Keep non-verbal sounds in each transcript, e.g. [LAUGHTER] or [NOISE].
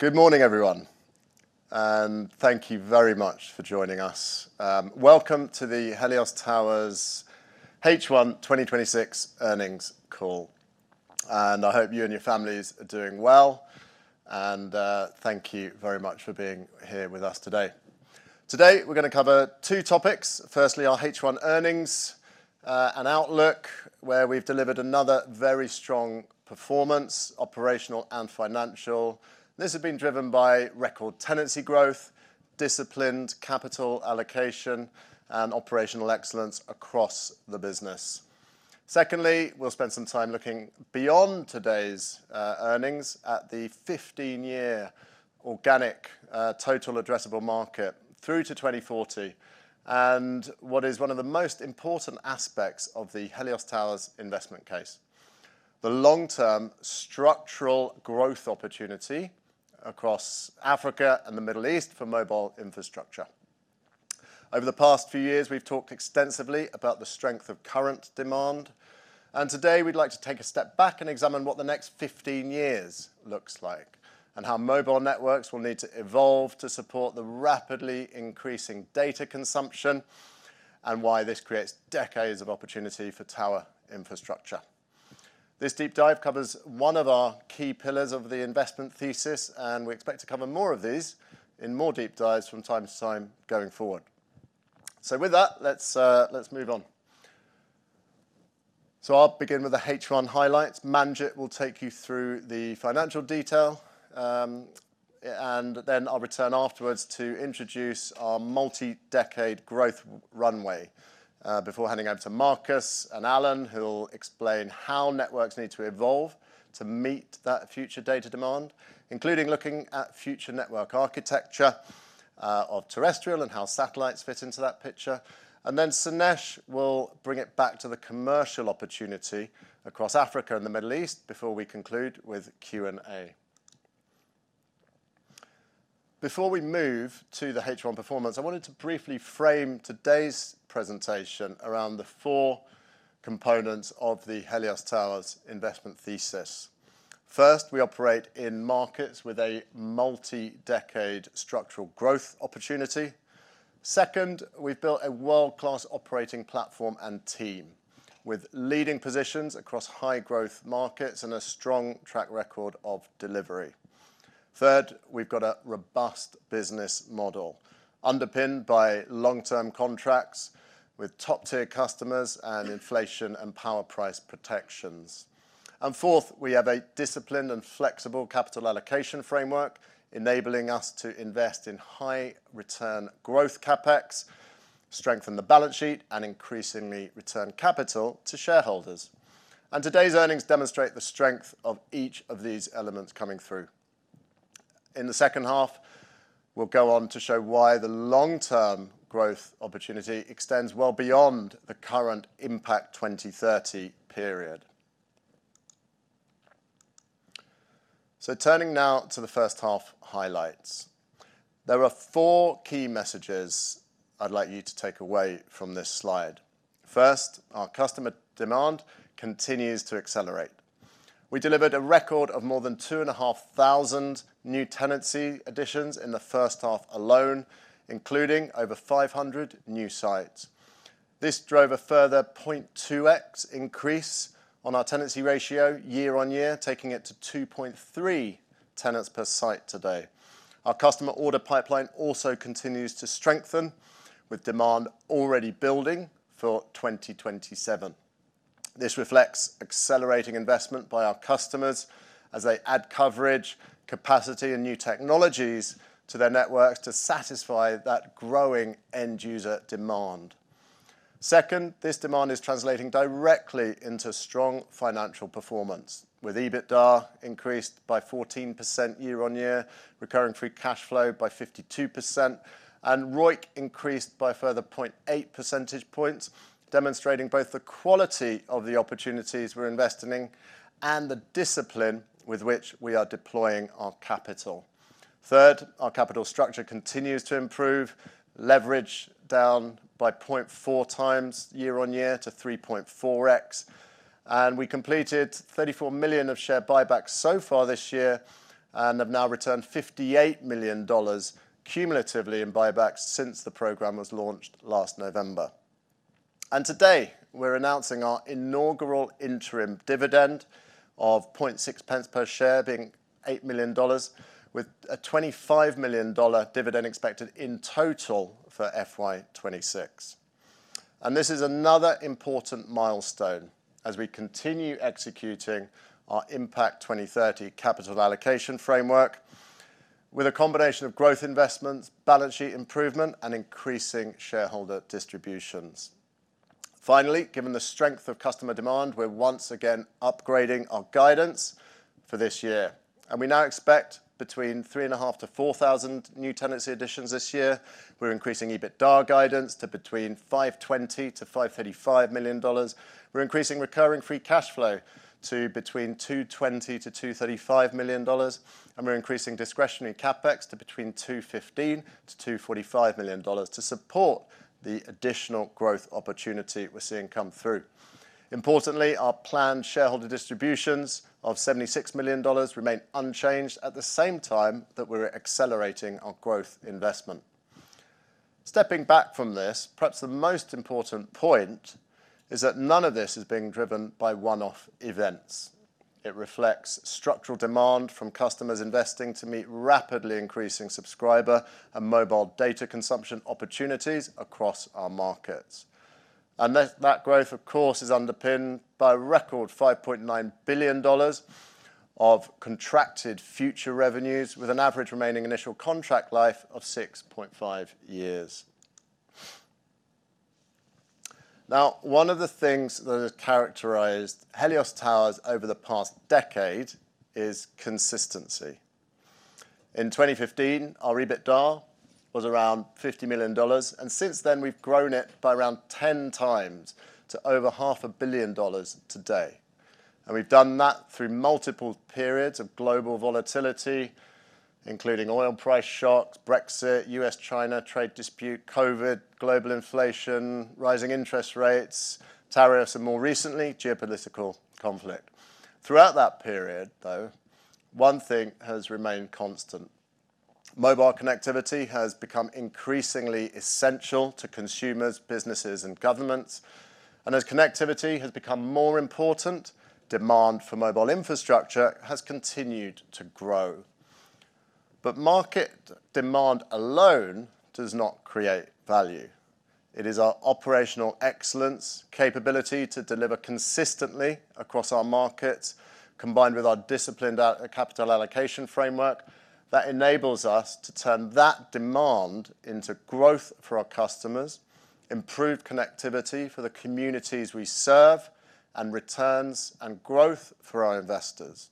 Good morning, everyone, and thank you very much for joining us. Welcome to the Helios Towers H1 2026 earnings call. I hope you and your families are doing well. Thank you very much for being here with us today. Today, we're going to cover two topics. Firstly, our H1 earnings and outlook, where we've delivered another very strong performance, operational and financial. This has been driven by record tenancy growth, disciplined capital allocation, and operational excellence across the business. Secondly, we'll spend some time looking beyond today's earnings at the 15-year organic total addressable market through to 2040 and what is one of the most important aspects of the Helios Towers investment case, the long-term structural growth opportunity across Africa and the Middle East for mobile infrastructure. Over the past few years, we've talked extensively about the strength of current demand. Today we'd like to take a step back and examine what the next 15 years looks like and how mobile networks will need to evolve to support the rapidly increasing data consumption. Why this creates decades of opportunity for tower infrastructure. This deep dive covers one of our key pillars of the investment thesis. We expect to cover more of these in more deep dives from time to time going forward. With that, let's move on. I'll begin with the H1 highlights. Manjit will take you through the financial detail. Then I'll return afterwards to introduce our multi-decade growth runway before handing over to Marcus and Allan, who will explain how networks need to evolve to meet that future data demand, including looking at future network architecture of terrestrial and how satellites fit into that picture. Sainesh will bring it back to the commercial opportunity across Africa and the Middle East before we conclude with Q&A. Before we move to the H1 performance, I wanted to briefly frame today's presentation around the four components of the Helios Towers investment thesis. First, we operate in markets with a multi-decade structural growth opportunity. Second, we've built a world-class operating platform and team with leading positions across high-growth markets and a strong track record of delivery. Third, we've got a robust business model underpinned by long-term contracts with top-tier customers and inflation and power price protections. Fourth, we have a disciplined and flexible capital allocation framework enabling us to invest in high-return growth CapEx, strengthen the balance sheet, and increasingly return capital to shareholders. Today's earnings demonstrate the strength of each of these elements coming through. In the second half, we'll go on to show why the long-term growth opportunity extends well beyond the current IMPACT 2030 period. Turning now to the first half highlights. There are four key messages I'd like you to take away from this slide. First, our customer demand continues to accelerate. We delivered a record of more than 2,500 new tenancy additions in the first half alone, including over 500 new sites. This drove a further 0.2x increase on our tenancy ratio year-on-year, taking it to 2.3 tenants per site today. Our customer order pipeline also continues to strengthen with demand already building for 2027. This reflects accelerating investment by our customers as they add coverage, capacity, and new technologies to their networks to satisfy that growing end-user demand. Second, this demand is translating directly into strong financial performance with EBITDA increased by 14% year-on-year, recurring free cash flow by 52%, and ROIC increased by a further 0.8 percentage points, demonstrating both the quality of the opportunities we're investing in and the discipline with which we are deploying our capital. Third, our capital structure continues to improve, leverage down by 0.4x year-on-year to 3.4x. We completed $34 million of share buybacks so far this year and have now returned $58 million cumulatively in buybacks since the program was launched last November. Today, we're announcing our inaugural interim dividend of 0.006 per share, being $8 million with a $25 million dividend expected in total for FY 2026. This is another important milestone as we continue executing our IMPACT 2030 capital allocation framework with a combination of growth investments, balance sheet improvement, and increasing shareholder distributions. Finally, given the strength of customer demand, we're once again upgrading our guidance for this year. We now expect between 3,500-4,000 new tenancy additions this year. We're increasing EBITDA guidance to between $520 million-$535 million. We're increasing recurring free cash flow to between $220 million-$235 million, and we're increasing discretionary CapEx to between $215 million-$245 million to support the additional growth opportunity we're seeing come through. Importantly, our planned shareholder distributions of $76 million remain unchanged at the same time that we're accelerating our growth investment. Stepping back from this, perhaps the most important point is that none of this is being driven by one-off events. It reflects structural demand from customers investing to meet rapidly increasing subscriber and mobile data consumption opportunities across our markets. That growth, of course, is underpinned by a record $5.9 billion of contracted future revenues, with an average remaining initial contract life of 6.5 years. One of the things that has characterized Helios Towers over the past decade is consistency. In 2015, our EBITDA was around $50 million. Since then we've grown it by around 10x to over $500 million today. We've done that through multiple periods of global volatility, including oil price shocks, Brexit, U.S.-China trade dispute, COVID, global inflation, rising interest rates, tariffs, and more recently, geopolitical conflict. Throughout that period, though, one thing has remained constant. Mobile connectivity has become increasingly essential to consumers, businesses, and governments. As connectivity has become more important, demand for mobile infrastructure has continued to grow. Market demand alone does not create value. It is our operational excellence capability to deliver consistently across our markets, combined with our disciplined capital allocation framework, that enables us to turn that demand into growth for our customers, improved connectivity for the communities we serve, and returns and growth for our investors.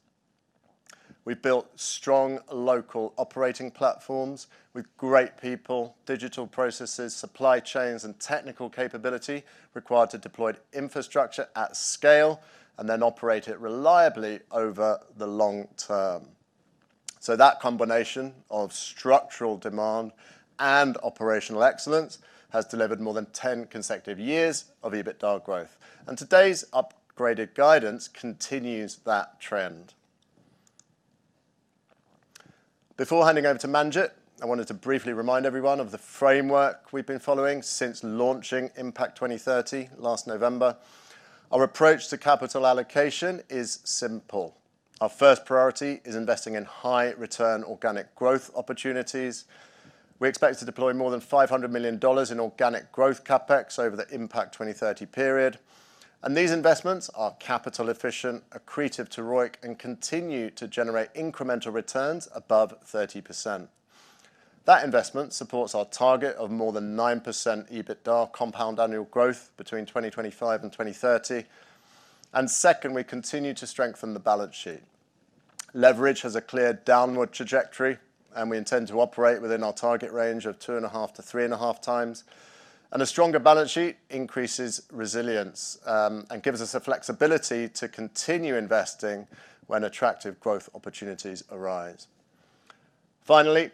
We've built strong local operating platforms with great people, digital processes, supply chains, and technical capability required to deploy infrastructure at scale, then operate it reliably over the long-term. That combination of structural demand and operational excellence has delivered more than 10 consecutive years of EBITDA growth. Today's upgraded guidance continues that trend. Before handing over to Manjit, I wanted to briefly remind everyone of the framework we've been following since launching IMPACT 2030 last November. Our approach to capital allocation is simple. Our first priority is investing in high-return organic growth opportunities. We expect to deploy more than $500 million in organic growth CapEx over the IMPACT 2030 period. These investments are capital efficient, accretive to ROIC, and continue to generate incremental returns above 30%. That investment supports our target of more than 9% EBITDA compound annual growth between 2025 and 2030. Second, we continue to strengthen the balance sheet. Leverage has a clear downward trajectory, and we intend to operate within our target range of 2.5x-3.5x. A stronger balance sheet increases resilience, and gives us the flexibility to continue investing when attractive growth opportunities arise. Finally,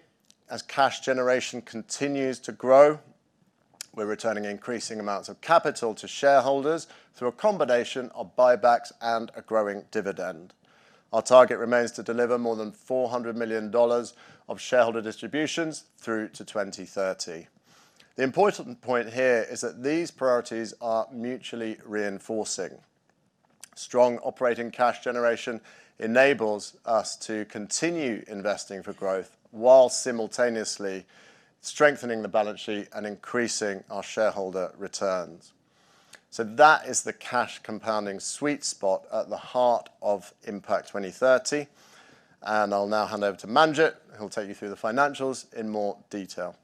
as cash generation continues to grow, we're returning increasing amounts of capital to shareholders through a combination of buybacks and a growing dividend. Our target remains to deliver more than $400 million of shareholder distributions through to 2030. The important point here is that these priorities are mutually reinforcing. Strong operating cash generation enables us to continue investing for growth while simultaneously strengthening the balance sheet and increasing our shareholder returns. That is the cash compounding sweet spot at the heart of IMPACT 2030. I'll now hand over to Manjit, who'll take you through the financials in more detail.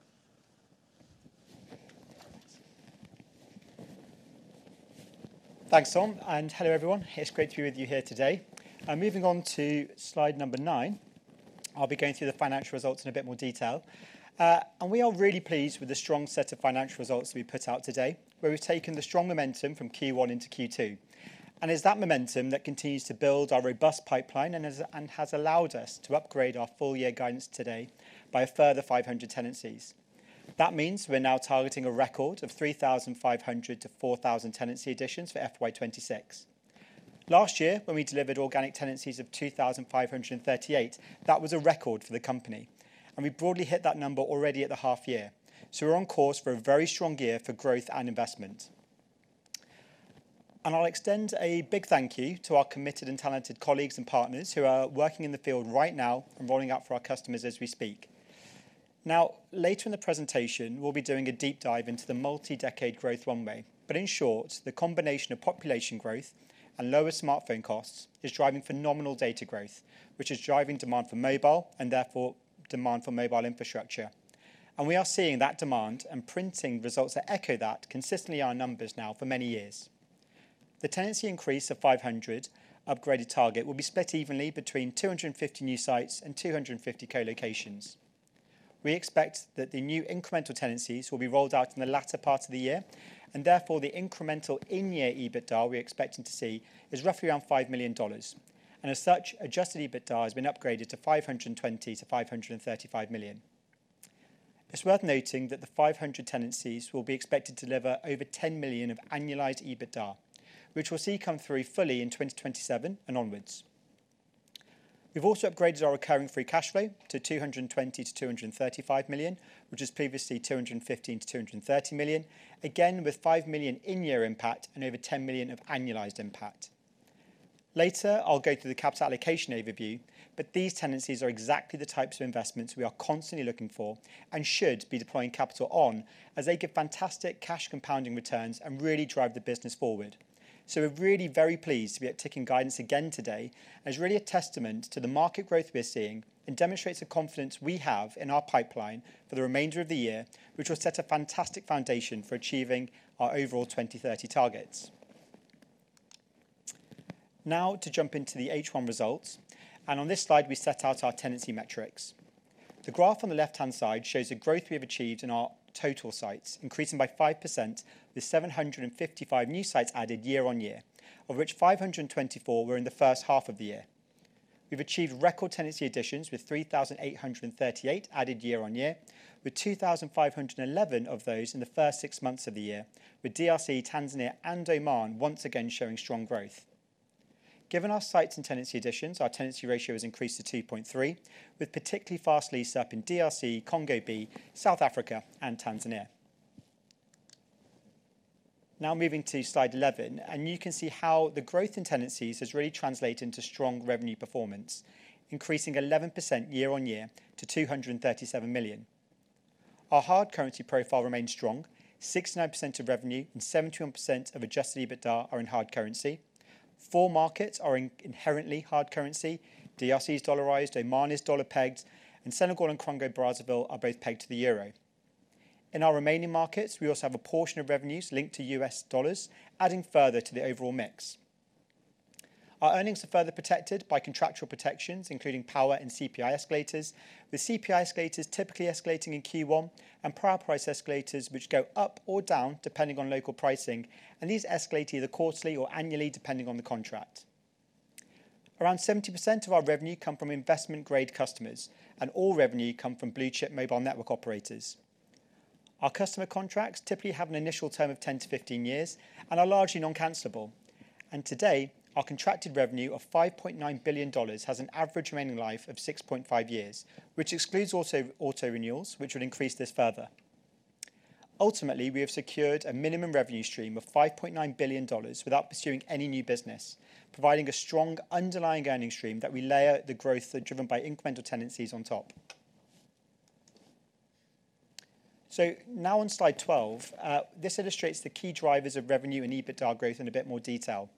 Thanks, Tom, and hello, everyone. It's great to be with you here today. Moving on to slide number nine, I'll be going through the financial results in a bit more detail. We are really pleased with the strong set of financial results we put out today, where we've taken the strong momentum from Q1 into Q2. It's that momentum that continues to build our robust pipeline and has allowed us to upgrade our full year guidance today by a further 500 tenancies. That means we're now targeting a record of 3,500-4,000 tenancy additions for FY 2026. Last year, when we delivered organic tenancies of 2,538, that was a record for the company. We broadly hit that number already at the half year. We're on course for a very strong year for growth and investment. I'll extend a big thank you to our committed and talented colleagues and partners who are working in the field right now and rolling out for our customers as we speak. Now later in the presentation, we'll be doing a deep dive into the multi-decade growth runway. In short, the combination of population growth and lower smartphone costs is driving phenomenal data growth, which is driving demand for mobile and therefore demand for mobile infrastructure. We are seeing that demand and printing results that echo that consistently our numbers now for many years. The tenancy increase of 500 upgraded target will be split evenly between 250 new sites and 250 co-locations. We expect that the new incremental tenancies will be rolled out in the latter part of the year, and therefore the incremental in-year EBITDA we are expecting to see is roughly around $5 million. As such, adjusted EBITDA has been upgraded to $520 million-$535 million. It's worth noting that the 500 tenancies will be expected to deliver over $10 million of annualized EBITDA, which we'll see come through fully in 2027 and onwards. We've also upgraded our recurring free cash flow to $220 million-$235 million, which was previously $215 million-$230 million, again with $5 million in-year impact, and over $10 million of annualized impact. Later, I'll go through the capital allocation overview. These tenancies are exactly the types of investments we are constantly looking for and should be deploying capital on, as they give fantastic cash compounding returns and really drive the business forward. We're really very pleased to be upticking guidance again today, as really a testament to the market growth we're seeing, and demonstrates the confidence we have in our pipeline for the remainder of the year, which will set a fantastic foundation for achieving our overall 2030 targets. To jump into the H1 results. On this slide we set out our tenancy metrics. The graph on the left-hand side shows the growth we have achieved in our total sites, increasing by 5% with 755 new sites added year-on-year, of which 524 were in the first half of the year. We've achieved record tenancy additions with 3,838 added year-on-year, with 2,511 of those in the first six months of the year, with DRC, Tanzania, and Oman once again showing strong growth. Given our sites and tenancy additions, our tenancy ratio has increased to 2.3, with particularly fast lease-up in DRC, Congo B, South Africa, and Tanzania. Moving to slide 11, you can see how the growth in tenancies has really translated into strong revenue performance, increasing 11% year-on-year to $237 million. Our hard currency profile remains strong. 69% of revenue and 71% of adjusted EBITDA are in hard currency. Four markets are inherently hard currency. DRC is dollarized, Oman is dollar-pegged, and Senegal and Congo Brazzaville are both pegged to the euro. In our remaining markets, we also have a portion of revenues linked to U.S. dollars, adding further to the overall mix. Our earnings are further protected by contractual protections, including power and CPI escalators, with CPI escalators typically escalating in Q1, and power price escalators, which go up or down depending on local pricing, and these escalate either quarterly or annually, depending on the contract. Around 70% of our revenue come from investment-grade customers, and all revenue come from blue-chip mobile network operators. Our customer contracts typically have an initial term of 10-15 years and are largely non-cancelable. Today, our contracted revenue of $5.9 billion has an average remaining life of 6.5 years, which excludes auto renewals, which would increase this further. Ultimately, we have secured a minimum revenue stream of $5.9 billion without pursuing any new business, providing a strong underlying earnings stream that we layer the growth driven by incremental tenancies on top. Now on slide 12, this illustrates the key drivers of revenue and EBITDA growth in a bit more detail.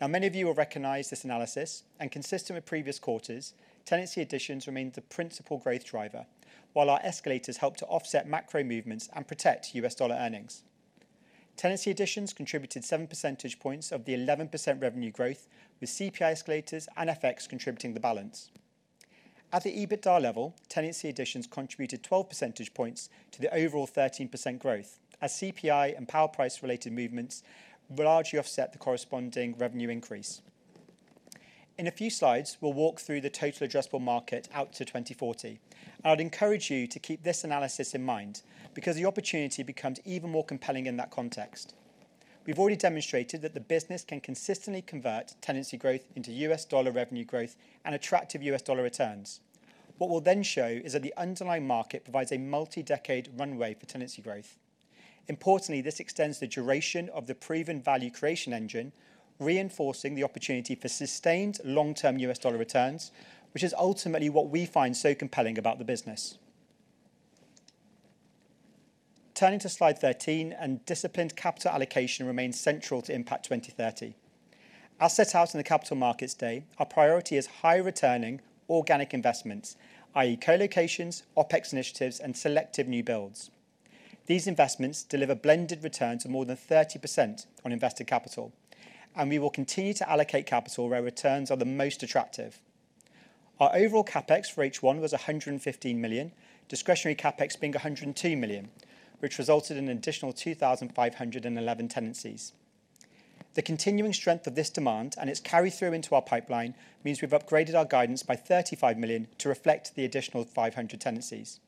Many of you will recognize this analysis, and consistent with previous quarters, tenancy additions remained the principal growth driver, while our escalators helped to offset macro movements and protect U.S. dollar earnings. Tenancy additions contributed 7 percentage points of the 11% revenue growth, with CPI escalators and FX contributing the balance. At the EBITDA level, tenancy additions contributed 12 percentage points to the overall 13% growth, as CPI and power price-related movements will largely offset the corresponding revenue increase. In a few slides, we'll walk through the total addressable market out to 2040, I'd encourage you to keep this analysis in mind because the opportunity becomes even more compelling in that context. We've already demonstrated that the business can consistently convert tenancy growth into U.S. dollar revenue growth and attractive U.S. dollar returns. What we'll show is that the underlying market provides a multi-decade runway for tenancy growth. Importantly, this extends the duration of the proven value creation engine, reinforcing the opportunity for sustained long-term U.S. dollar returns, which is ultimately what we find so compelling about the business. Turning to slide 13, disciplined capital allocation remains central to IMPACT 2030. As set out in the Capital Markets Day, our priority is high-returning organic investments, i.e., co-locations, OpEx initiatives, and selective new builds. These investments deliver blended returns of more than 30% on invested capital, and we will continue to allocate capital where returns are the most attractive. Our overall CapEx for H1 was $115 million, discretionary CapEx being $102 million, which resulted in an additional 2,511 tenancies. The continuing strength of this demand and its carry-through into our pipeline means we've upgraded our guidance by $35 million to reflect the additional 500 tenancies.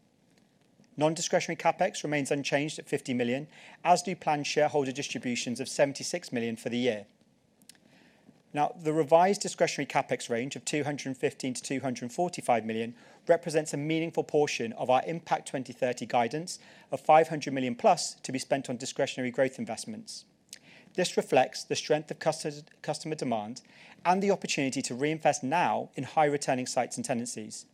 Non-discretionary CapEx remains unchanged at $50 million, as do planned shareholder distributions of $76 million for the year. The revised discretionary CapEx range of $215 million-$245 million represents a meaningful portion of our IMPACT 2030 guidance of $500+ million to be spent on discretionary growth investments. This reflects the strength of customer demand and the opportunity to reinvest now in high-returning sites and tenancies.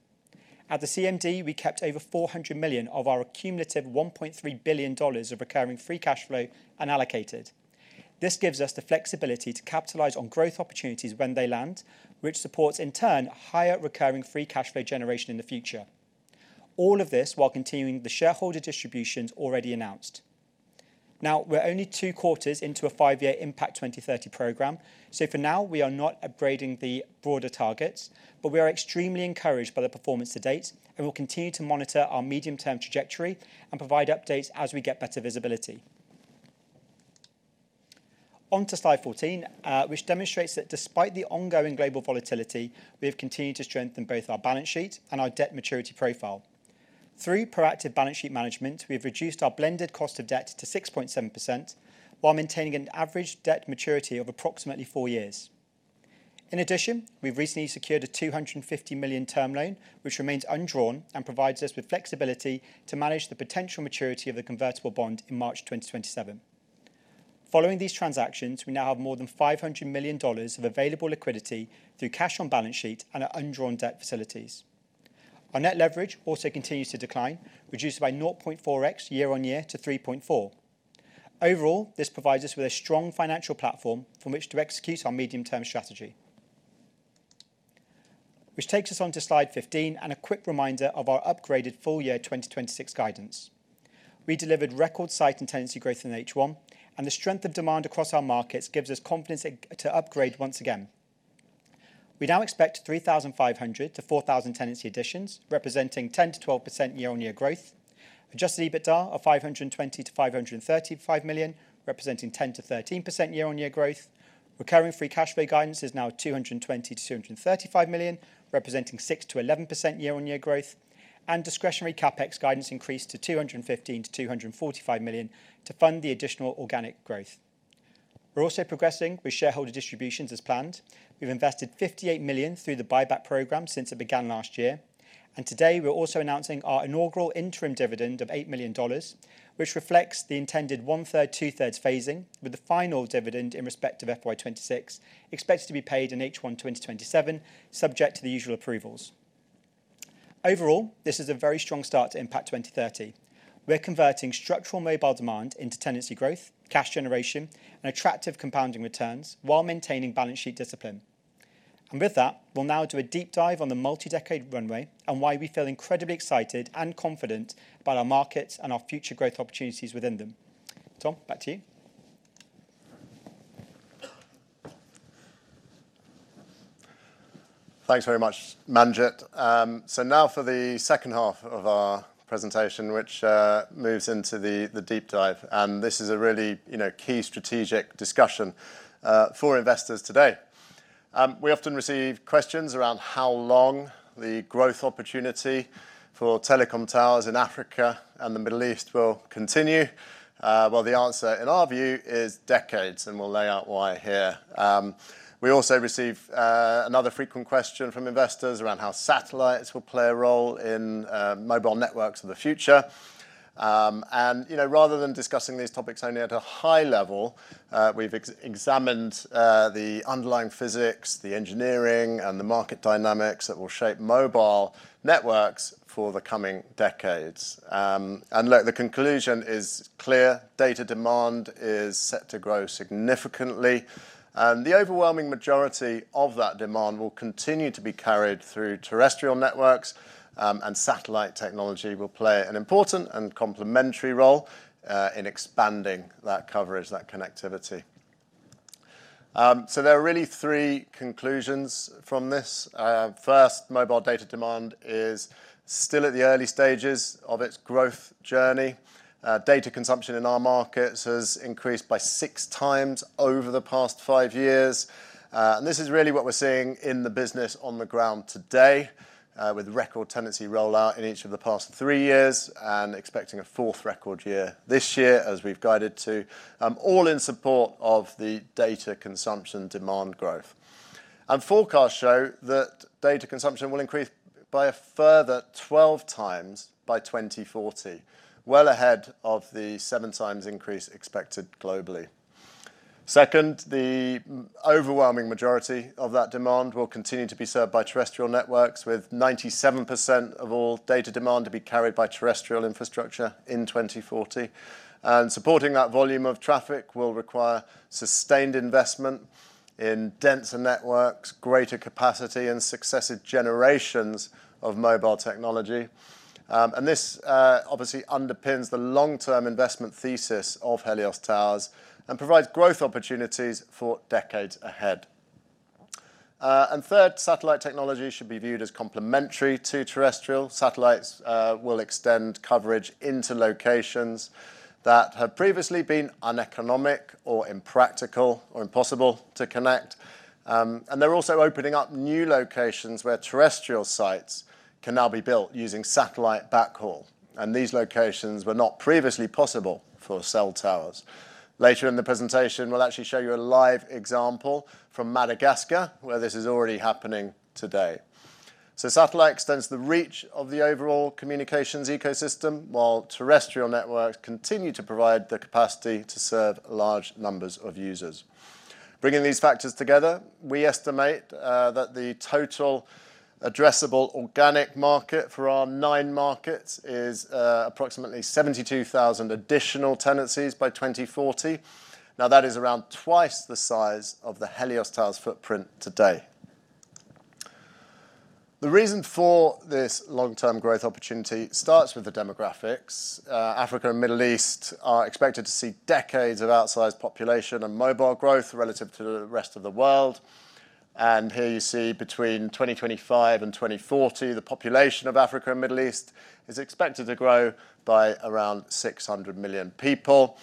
At the CMD, we kept over $400 million of our cumulative $1.3 billion of recurring free cash flow unallocated. This gives us the flexibility to capitalize on growth opportunities when they land, which supports, in turn, higher recurring free cash flow generation in the future. All of this while continuing the shareholder distributions already announced. Now we're only two quarters into a five-year IMPACT 2030 program, so for now we are not upgrading the broader targets. We are extremely encouraged by the performance to date and will continue to monitor our medium-term trajectory and provide updates as we get better visibility. On to slide 14, which demonstrates that despite the ongoing global volatility, we have continued to strengthen both our balance sheet and our debt maturity profile. Through proactive balance sheet management, we have reduced our blended cost of debt to 6.7% while maintaining an average debt maturity of approximately four years. In addition, we've recently secured a $250 million term loan, which remains undrawn and provides us with flexibility to manage the potential maturity of the convertible bond in March 2027. Following these transactions, we now have more than $500 million of available liquidity through cash on balance sheet and our undrawn debt facilities. Our net leverage also continues to decline, reduced by 0.4x year-on-year to 3.4. Overall, this provides us with a strong financial platform from which to execute our medium-term strategy. Which takes us on to slide 15 and a quick reminder of our upgraded full year 2026 guidance. We delivered record site and tenancy growth in H1. The strength of demand across our markets gives us confidence to upgrade once again. We now expect 3,500-4,000 tenancy additions, representing 10%-12% year-on-year growth. Adjusted EBITDA of $520 million-$535 million, representing 10%-13% year-on-year growth. Recurring free cash flow guidance is now $220 million-$235 million, representing 6%-11% year-on-year growth. Discretionary CapEx guidance increased to $215 million-$245 million to fund the additional organic growth. We're also progressing with shareholder distributions as planned. We've invested $58 million through the buyback program since it began last year. Today, we're also announcing our inaugural interim dividend of $8 million, which reflects the intended 1/3, 2/3 phasing with the final dividend in respect of FY 2026, expected to be paid in H1 2027, subject to the usual approvals. Overall, this is a very strong start to IMPACT 2030. We're converting structural mobile demand into tenancy growth, cash generation, and attractive compounding returns while maintaining balance sheet discipline. With that, we'll now do a deep dive on the multi-decade runway and why we feel incredibly excited and confident about our markets and our future growth opportunities within them. Tom, back to you. Thanks very much, Manjit. Now for the second half of our presentation, which moves into the deep dive, and this is a really key strategic discussion for investors today. We often receive questions around how long the growth opportunity for telecom towers in Africa and the Middle East will continue. The answer in our view is decades, and we'll lay out why here. We also receive another frequent question from investors around how satellites will play a role in mobile networks of the future. Rather than discussing these topics only at a high level, we've examined the underlying physics, the engineering, and the market dynamics that will shape mobile networks for the coming decades. Look, the conclusion is clear. Data demand is set to grow significantly. The overwhelming majority of that demand will continue to be carried through terrestrial networks, satellite technology will play an important and complementary role in expanding that coverage, that connectivity. There are really three conclusions from this. First, mobile data demand is still at the early stages of its growth journey. Data consumption in our markets has increased by 6x over the past five years. This is really what we're seeing in the business on the ground today with record tenancy rollout in each of the past three years, expecting a fourth record year this year as we've guided to, all in support of the data consumption demand growth. Forecasts show that data consumption will increase by a further 12x by 2040, well ahead of the 7x increase expected globally. Second, the overwhelming majority of that demand will continue to be served by terrestrial networks, with 97% of all data demand to be carried by terrestrial infrastructure in 2040. Supporting that volume of traffic will require sustained investment in denser networks, greater capacity, and successive generations of mobile technology. This obviously underpins the long-term investment thesis of Helios Towers and provides growth opportunities for decades ahead. Third, satellite technology should be viewed as complementary to terrestrial. Satellites will extend coverage into locations that have previously been uneconomic or impractical or impossible to connect. They're also opening up new locations where terrestrial sites can now be built using satellite backhaul. These locations were not previously possible for cell towers. Later in the presentation, we'll actually show you a live example from Madagascar where this is already happening today. Satellite extends the reach of the overall communications ecosystem, while terrestrial networks continue to provide the capacity to serve large numbers of users. Bringing these factors together, we estimate that the total addressable organic market for our nine markets is approximately 72,000 additional tenancies by 2040. Now, that is around twice the size of the Helios Towers footprint today. The reason for this long-term growth opportunity starts with the demographics. Africa and Middle East are expected to see decades of outsized population and mobile growth relative to the rest of the world. Here you see between 2025 and 2040, the population of Africa and Middle East is expected to grow by around 600 million people.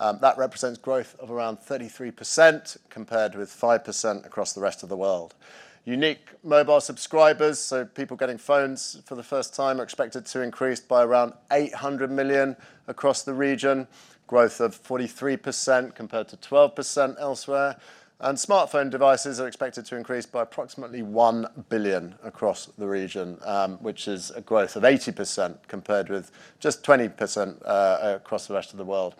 That represents growth of around 33%, compared with 5% across the rest of the world. Unique mobile subscribers, so people getting phones for the first time, are expected to increase by around 800 million across the region, growth of 43% compared to 12% elsewhere. Smartphone devices are expected to increase by approximately 1 billion across the region, which is a growth of 80% compared with just 20% across the rest of the world.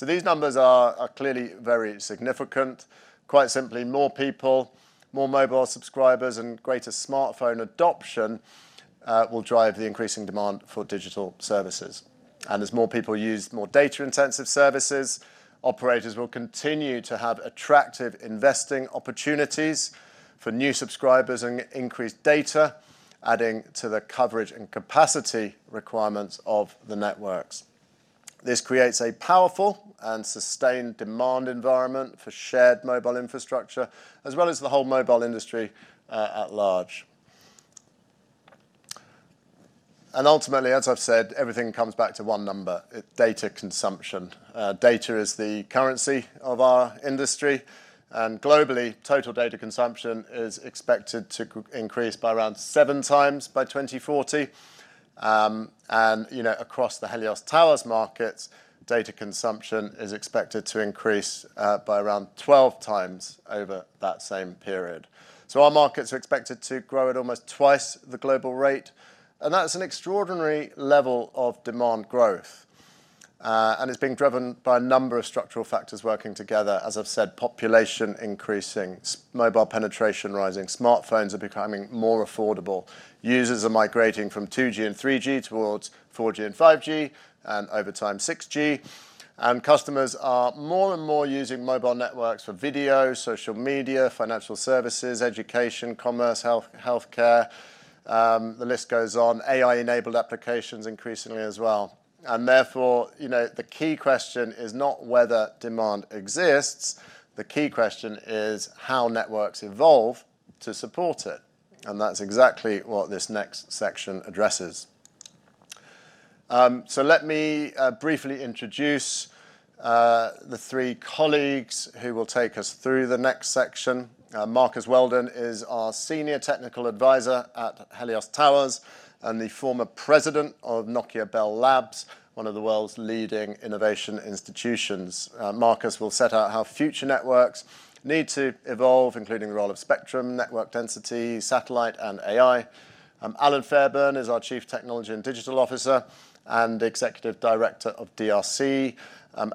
These numbers are clearly very significant. Quite simply, more people, more mobile subscribers, and greater smartphone adoption will drive the increasing demand for digital services. As more people use more data-intensive services, operators will continue to have attractive investing opportunities for new subscribers and increased data, adding to the coverage and capacity requirements of the networks. This creates a powerful and sustained demand environment for shared mobile infrastructure, as well as the whole mobile industry at large. Ultimately, as I've said, everything comes back to one number, data consumption. Data is the currency of our industry, and globally, total data consumption is expected to increase by around 7x by 2040. Across the Helios Towers markets, data consumption is expected to increase by around 12x over that same period. Our markets are expected to grow at almost twice the global rate, and that's an extraordinary level of demand growth. It's being driven by a number of structural factors working together, as I've said, population increasing, mobile penetration rising, smartphones are becoming more affordable, users are migrating from 2G and 3G towards 4G and 5G, and over time, 6G. Customers are more and more using mobile networks for video, social media, financial services, education, commerce, healthcare. The list goes on. AI-enabled applications increasingly as well. Therefore, the key question is not whether demand exists. The key question is how networks evolve to support it, and that's exactly what this next section addresses. Let me briefly introduce the three colleagues who will take us through the next section. Marcus Weldon is our Senior Technical Advisor at Helios Towers and the former President of Nokia Bell Labs, one of the world's leading innovation institutions. Marcus will set out how future networks need to evolve, including the role of spectrum, network density, satellite, and AI. Allan Fairbairn is our Chief Technology and Digital Officer and Executive Director of DRC.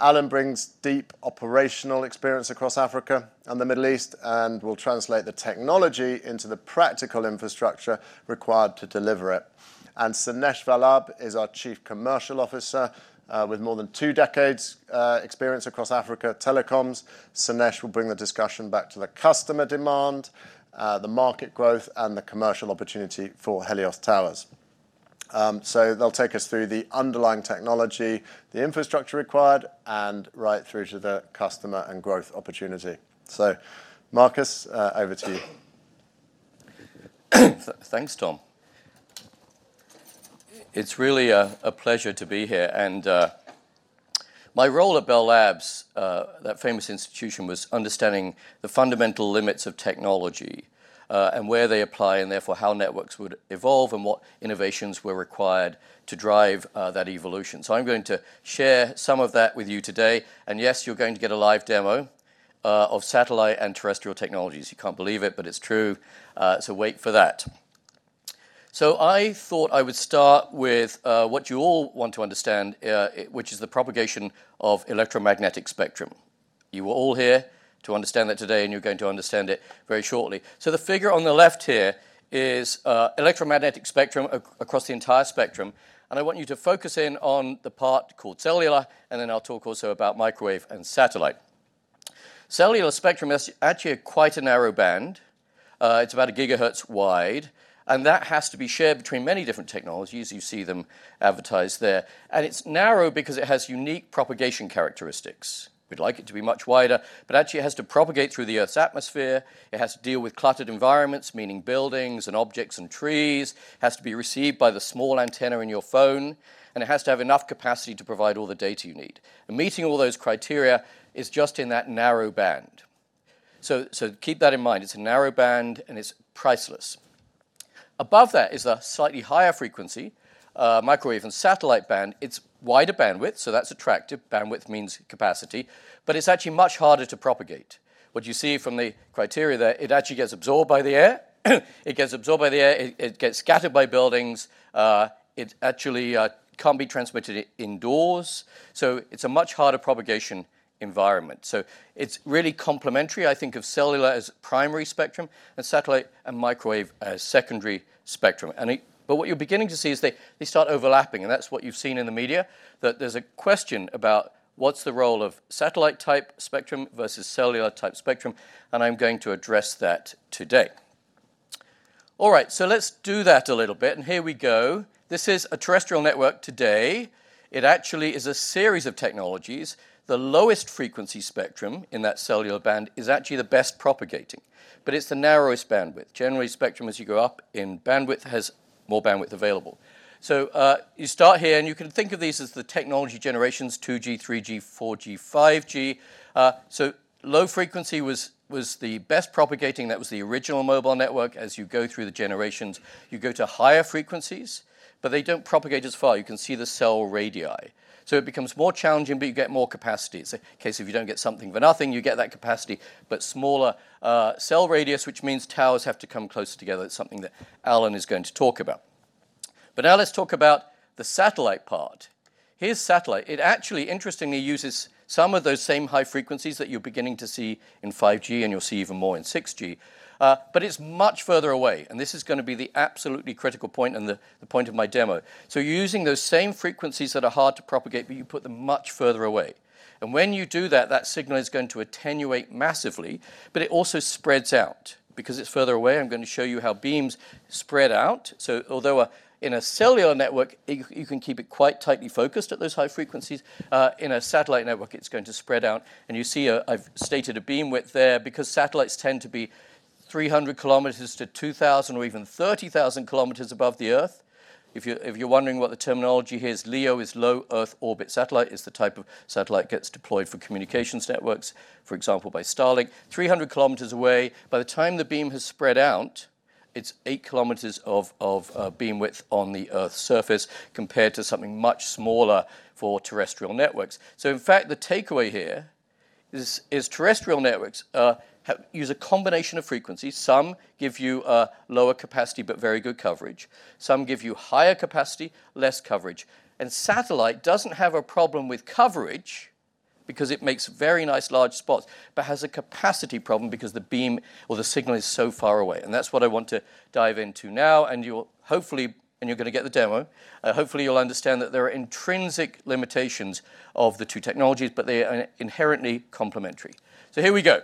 Allan brings deep operational experience across Africa and the Middle East and will translate the technology into the practical infrastructure required to deliver it. Sainesh Vallabh is our Chief Commercial Officer with more than two decades experience across Africa telecoms. Sainesh will bring the discussion back to the customer demand, the market growth, and the commercial opportunity for Helios Towers. They'll take us through the underlying technology, the infrastructure required, and right through to the customer and growth opportunity. Marcus, over to you. Thanks, Tom. It's really a pleasure to be here. My role at Bell Labs, that famous institution, was understanding the fundamental limits of technology, and where they apply, and therefore, how networks would evolve and what innovations were required to drive that evolution. I'm going to share some of that with you today. Yes, you're going to get a live demo of satellite and terrestrial technologies. You can't believe it, but it's true. Wait for that. I thought I would start with what you all want to understand, which is the propagation of electromagnetic spectrum. You are all here to understand that today, and you're going to understand it very shortly. The figure on the left here is electromagnetic spectrum across the entire spectrum, and I want you to focus in on the part called cellular, and then I'll talk also about microwave and satellite. Cellular spectrum is actually quite a narrow band. It's about a gigahertz wide, and that has to be shared between many different technologies. You see them advertised there. It's narrow because it has unique propagation characteristics. We'd like it to be much wider, but actually, it has to propagate through the Earth's atmosphere. It has to deal with cluttered environments, meaning buildings and objects and trees. It has to be received by the small antenna in your phone, and it has to have enough capacity to provide all the data you need. Meeting all those criteria is just in that narrow band. Keep that in mind. It's a narrow band, and it's priceless. Above that is a slightly higher frequency, microwave and satellite band. It's wider bandwidth, that's attractive. Bandwidth means capacity. It's actually much harder to propagate. What you see from the criteria there, it actually gets absorbed by the air. It gets absorbed by the air, it gets scattered by buildings. It actually can't be transmitted indoors. It's a much harder propagation environment. It's really complementary. I think of cellular as primary spectrum and satellite and microwave as secondary spectrum. What you're beginning to see is they start overlapping, and that's what you've seen in the media, that there's a question about what's the role of satellite-type spectrum versus cellular-type spectrum, and I'm going to address that today. All right, let's do that a little bit, and here we go. This is a terrestrial network today. It actually is a series of technologies. The lowest frequency spectrum in that cellular band is actually the best propagating, but it's the narrowest bandwidth. Generally, spectrum, as you go up in bandwidth, has more bandwidth available. You start here, and you can think of these as the technology generations 2G, 3G, 4G, 5G. Low frequency was the best propagating. That was the original mobile network. As you go through the generations, you go to higher frequencies, but they don't propagate as far. You can see the cell radii. It becomes more challenging, but you get more capacity. In case if you don't get something for nothing, you get that capacity, but smaller cell radius, which means towers have to come closer together. It's something that Allan is going to talk about. Now let's talk about the satellite part. Here's satellite. It actually interestingly uses some of those same high frequencies that you're beginning to see in 5G, and you'll see even more in 6G. It's much further away, and this is going to be the absolutely critical point and the point of my demo. You're using those same frequencies that are hard to propagate, but you put them much further away. When you do that, that signal is going to attenuate massively, but it also spreads out. It's further away, I'm going to show you how beams spread out. Although in a cellular network, you can keep it quite tightly focused at those high frequencies, in a satellite network, it's going to spread out. You see I've stated a beamwidth there because satellites tend to be 300 km-2,000 km or even 30,000 km above the Earth. If you're wondering what the terminology here is, LEO is low Earth orbit. Satellite, is the type of satellite gets deployed for communications networks, for example, by Starlink. 300 km away. By the time the beam has spread out, it's 8 km of beamwidth on the Earth's surface compared to something much smaller for terrestrial networks. In fact, the takeaway here is terrestrial networks use a combination of frequencies. Some give you a lower capacity, but very good coverage. Some give you higher capacity, less coverage. Satellite doesn't have a problem with coverage because it makes very nice large spots, but has a capacity problem because the beam or the signal is so far away. That's what I want to dive into now. You're going to get the demo. Hopefully, you'll understand that there are intrinsic limitations of the two technologies, but they are inherently complementary. Here we go.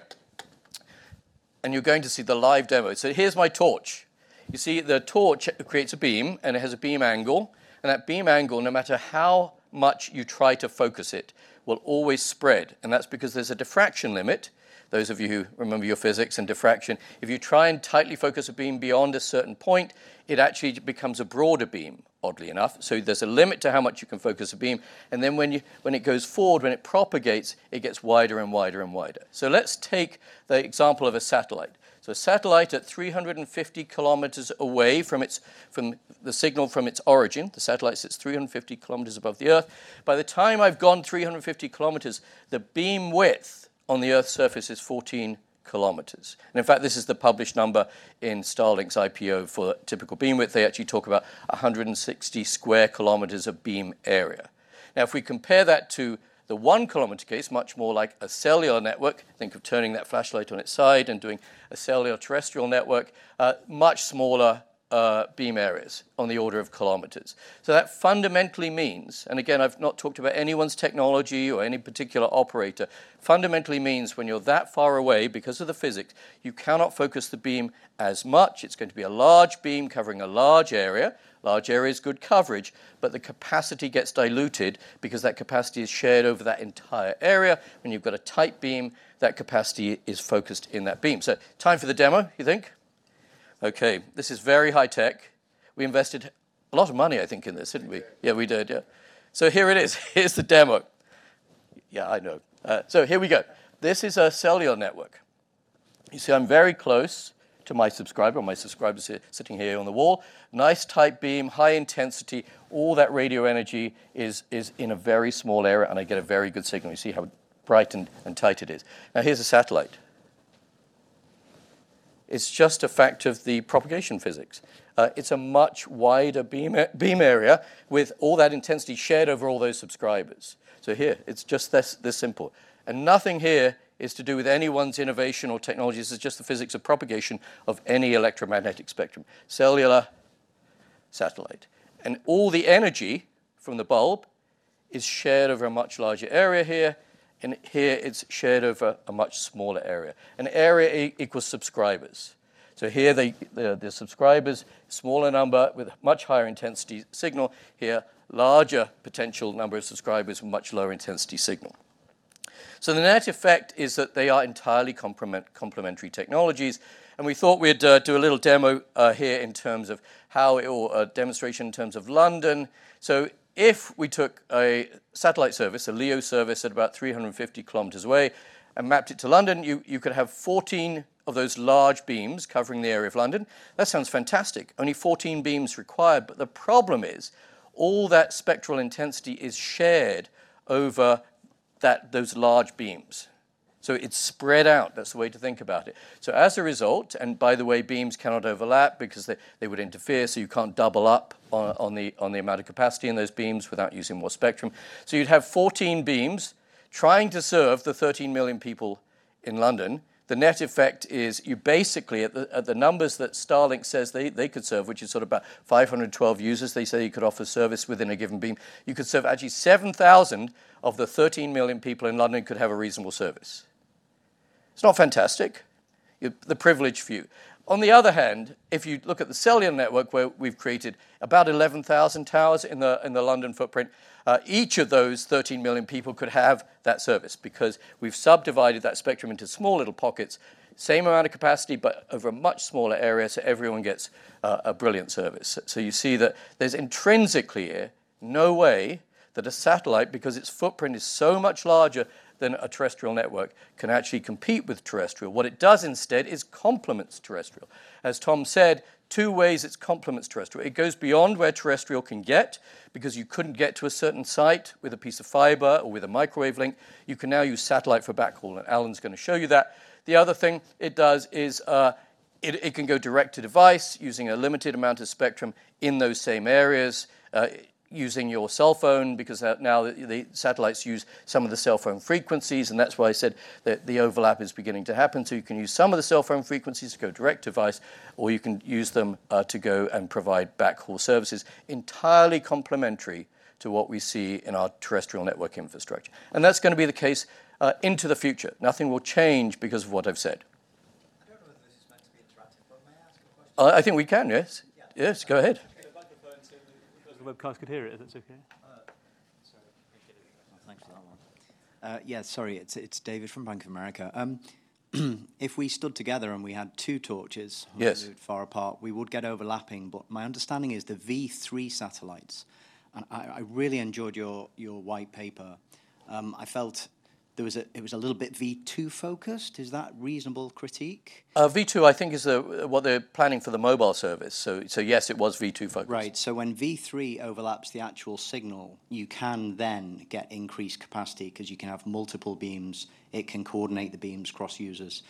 You're going to see the live demo. Here's my torch. You see the torch creates a beam, and it has a beam angle. That beam angle, no matter how much you try to focus it, will always spread. That's because there's a diffraction limit. Those of you who remember your physics and diffraction, if you try and tightly focus a beam beyond a certain point, it actually becomes a broader beam, oddly enough. There's a limit to how much you can focus a beam. Then when it goes forward, when it propagates, it gets wider and wider and wider. Let's take the example of a satellite. A satellite at 350 km away from the signal from its origin. The satellite sits 350 km above the Earth. By the time I've gone 350 km, the beamwidth on the Earth's surface is 14 km. In fact, this is the published number in Starlink's IPO for typical beamwidth. They actually talk about 160 sq km of beam area. Now, if we compare that to the 1 km case, much more like a cellular network, think of turning that flashlight on its side and doing a cellular terrestrial network. Much smaller beam areas on the order of kilometers. That fundamentally means, and again, I've not talked about anyone's technology or any particular operator, fundamentally means when you're that far away because of the physics, you cannot focus the beam as much. It's going to be a large beam covering a large area. Large area is good coverage, but the capacity gets diluted because that capacity is shared over that entire area. When you've got a tight beam, that capacity is focused in that beam. Time for the demo, you think? Okay, this is very high tech. We invested a lot of money, I think, in this, didn't we? Yeah, we did. Yeah. Here it is. Here's the demo. Yeah, I know. Here we go. This is a cellular network. You see I'm very close to my subscriber, or my subscriber is sitting here on the wall. Nice tight beam, high intensity. All that radio energy is in a very small area, and I get a very good signal. You see how bright and tight it is. Now, here's a satellite. It's just a fact of the propagation physics. It's a much wider beam area with all that intensity shared over all those subscribers. Here, it's just this simple. Nothing here is to do with anyone's innovation or technology. This is just the physics of propagation of any electromagnetic spectrum. Cellular, satellite. All the energy from the bulb is shared over a much larger area here, and here it's shared over a much smaller area. Area equals subscribers. Here, the subscribers, smaller number with much higher intensity signal. Here, larger potential number of subscribers with much lower intensity signal. The net effect is that they are entirely complementary technologies, and we thought we'd do a little demo here in terms of how it will demonstration in terms of London. If we took a satellite service, a LEO service, at about 350 km away and mapped it to London, you could have 14 of those large beams covering the area of London. That sounds fantastic. Only 14 beams required. The problem is, all that spectral intensity is shared over those large beams. It's spread out. That's the way to think about it. As a result, and by the way, beams cannot overlap because they would interfere, you can't double up on the amount of capacity in those beams without using more spectrum. You'd have 14 beams trying to serve the 13 million people in London. The net effect is you basically, at the numbers that Starlink says they could serve, which is sort of about 512 users, they say you could offer service within a given beam. You could serve actually 7,000 of the 13 million people in London could have a reasonable service. It's not fantastic. The privileged view. On the other hand, if you look at the cellular network where we've created about 11,000 towers in the London footprint, each of those 13 million people could have that service, because we've subdivided that spectrum into small little pockets. Same amount of capacity, but over a much smaller area, so everyone gets a brilliant service. You see that there's intrinsically here, no way that a satellite, because its footprint is so much larger than a terrestrial network, can actually compete with terrestrial. What it does instead is complements terrestrial. As Tom said, two ways it complements terrestrial. It goes beyond where terrestrial can get, because you couldn't get to a certain site with a piece of fiber or with a microwave link. You can now use satellite for backhaul, and Allan's going to show you that. The other thing it does is, it can go direct to device using a limited amount of spectrum in those same areas, using your cell phone because now the satellites use some of the cell phone frequencies, and that's why I said that the overlap is beginning to happen. You can use some of the cell phone frequencies to go direct to device, or you can use them to go and provide backhaul services entirely complementary to what we see in our terrestrial network infrastructure. That's going to be the case into the future. Nothing will change because of what I've said. I don't know if this is meant to be interactive, but may I ask a question? I think we can, yes. Yeah. Yes, go ahead. Get a microphone so those on the webcast can hear it, if that's okay. Sorry. Thank you. [INAUDIBLE] Yeah. Sorry. It's David from Bank of America. If we stood together and we had two torches- Yes. moved far apart, we would get overlapping. My understanding is the V3 satellites, and I really enjoyed your white paper. I felt it was a little bit V2-focused. Is that reasonable critique? V2, I think, is what they're planning for the mobile service. Yes, it was V2-focused. Right. When V3 overlaps the actual signal, you can then get increased capacity because you can have multiple beams. It can coordinate the beams across users.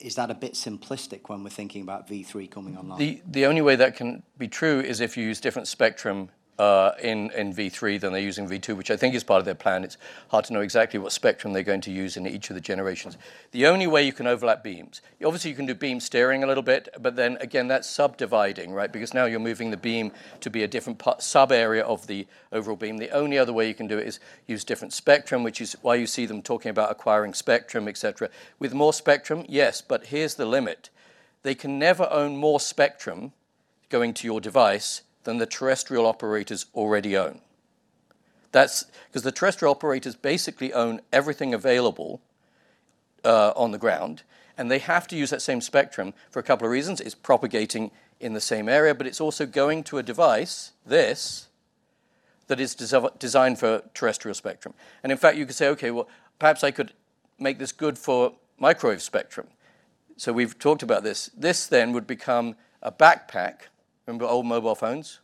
Is that a bit simplistic when we're thinking about V3 coming online? The only way that can be true is if you use different spectrum in V3 than they use in V2, which I think is part of their plan. It's hard to know exactly what spectrum they're going to use in each of the generations. The only way you can overlap beams. Obviously, you can do beam steering a little bit, but then again, that's subdividing, right? Now you're moving the beam to be a different sub-area of the overall beam. The only other way you can do it is use different spectrum, which is why you see them talking about acquiring spectrum, et cetera. With more spectrum, yes, but here's the limit. They can never own more spectrum going to your device than the terrestrial operators already own. The terrestrial operators basically own everything available on the ground, and they have to use that same spectrum for a couple of reasons. It's propagating in the same area, but it's also going to a device, this, that is designed for terrestrial spectrum. In fact, you could say, "Okay, well, perhaps I could make this good for microwave spectrum." We've talked about this. This then would become a backpack. Remember old mobile phones?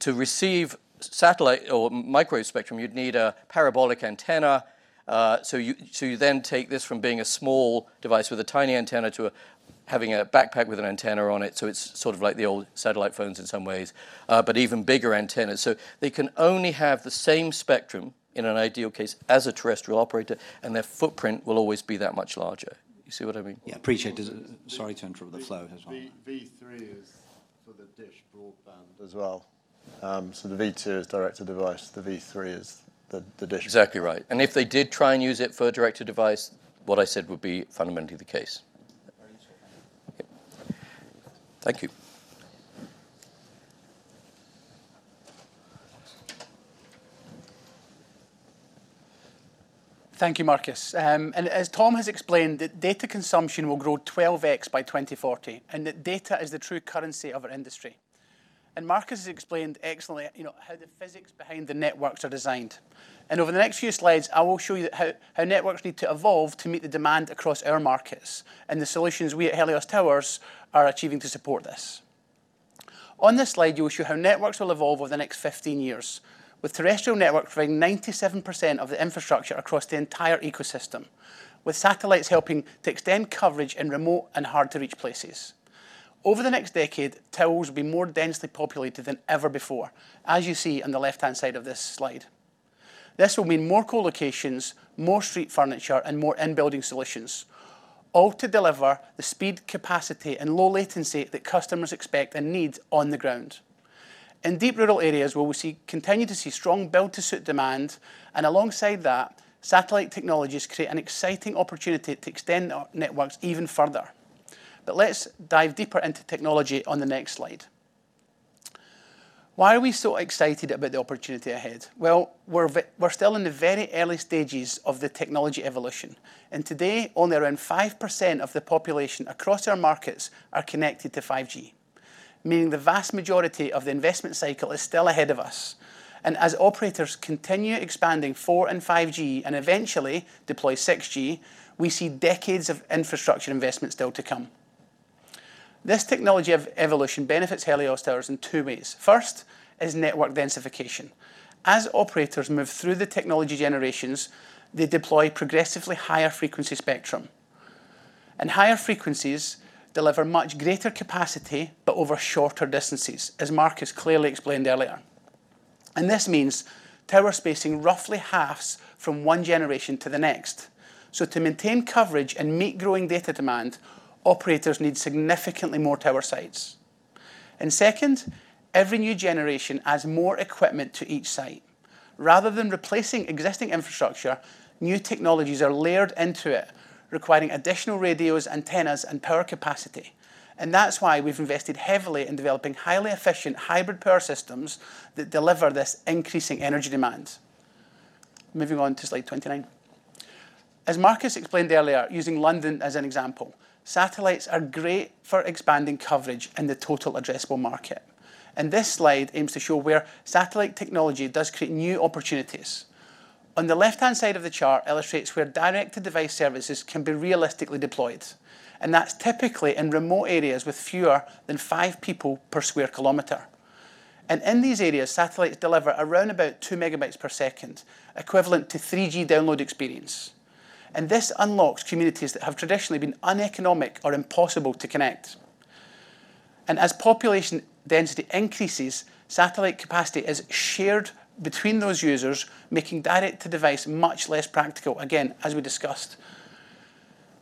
To receive satellite or microwave spectrum, you'd need a parabolic antenna. You then take this from being a small device with a tiny antenna to having a backpack with an antenna on it, so it's sort of like the old satellite phones in some ways. Even bigger antennas. They can only have the same spectrum, in an ideal case, as a terrestrial operator, and their footprint will always be that much larger. You see what I mean? Yeah. Appreciate it. Sorry to interrupt the flow as well. V3 is for the dish broadband as well. The V2 is direct to device. The V3 is the dish. Exactly right. If they did try and use it for a direct-to-device, what I said would be fundamentally the case. Okay. Thank you. Thank you, Marcus. As Tom has explained that data consumption will grow 12x by 2040, and that data is the true currency of our industry. Marcus has explained excellently how the physics behind the networks are designed. Over the next few slides, I will show you how networks need to evolve to meet the demand across our markets, and the solutions we at Helios Towers are achieving to support this. On this slide, we will show how networks will evolve over the next 15 years. With terrestrial networks providing 97% of the infrastructure across the entire ecosystem, with satellites helping to extend coverage in remote and hard-to-reach places. Over the next decade, towers will be more densely populated than ever before, as you see on the left-hand side of this slide. This will mean more co-locations, more street furniture, and more in-building solutions, all to deliver the speed, capacity, and low latency that customers expect and need on the ground. In deep rural areas where we continue to see strong build to suit demand, and alongside that, satellite technologies create an exciting opportunity to extend our networks even further. Let's dive deeper into technology on the next slide. Why are we so excited about the opportunity ahead? Well, we're still in the very early stages of the technology evolution, and today only around 5% of the population across our markets are connected to 5G, meaning the vast majority of the investment cycle is still ahead of us. As operators continue expanding 4 and 5G and eventually deploy 6G, we see decades of infrastructure investment still to come. This technology evolution benefits Helios Towers in two ways. First is network densification. As operators move through the technology generations, they deploy progressively higher frequency spectrum. Higher frequencies deliver much greater capacity but over shorter distances, as Marcus clearly explained earlier. This means tower spacing roughly halves from one generation to the next. To maintain coverage and meet growing data demand, operators need significantly more tower sites. Second, every new generation adds more equipment to each site. Rather than replacing existing infrastructure, new technologies are layered into it, requiring additional radios, antennas, and power capacity. That's why we've invested heavily in developing highly efficient hybrid power systems that deliver this increasing energy demand. Moving on to slide 29. As Marcus explained earlier, using London as an example, satellites are great for expanding coverage in the total addressable market. This slide aims to show where satellite technology does create new opportunities. On the left-hand side of the chart illustrates where direct-to-device services can be realistically deployed, and that's typically in remote areas with fewer than five people per square kilometer. In these areas, satellites deliver around about 2 MBps, equivalent to 3G download experience. This unlocks communities that have traditionally been uneconomic or impossible to connect. As population density increases, satellite capacity is shared between those users, making direct-to-device much less practical, again, as we discussed.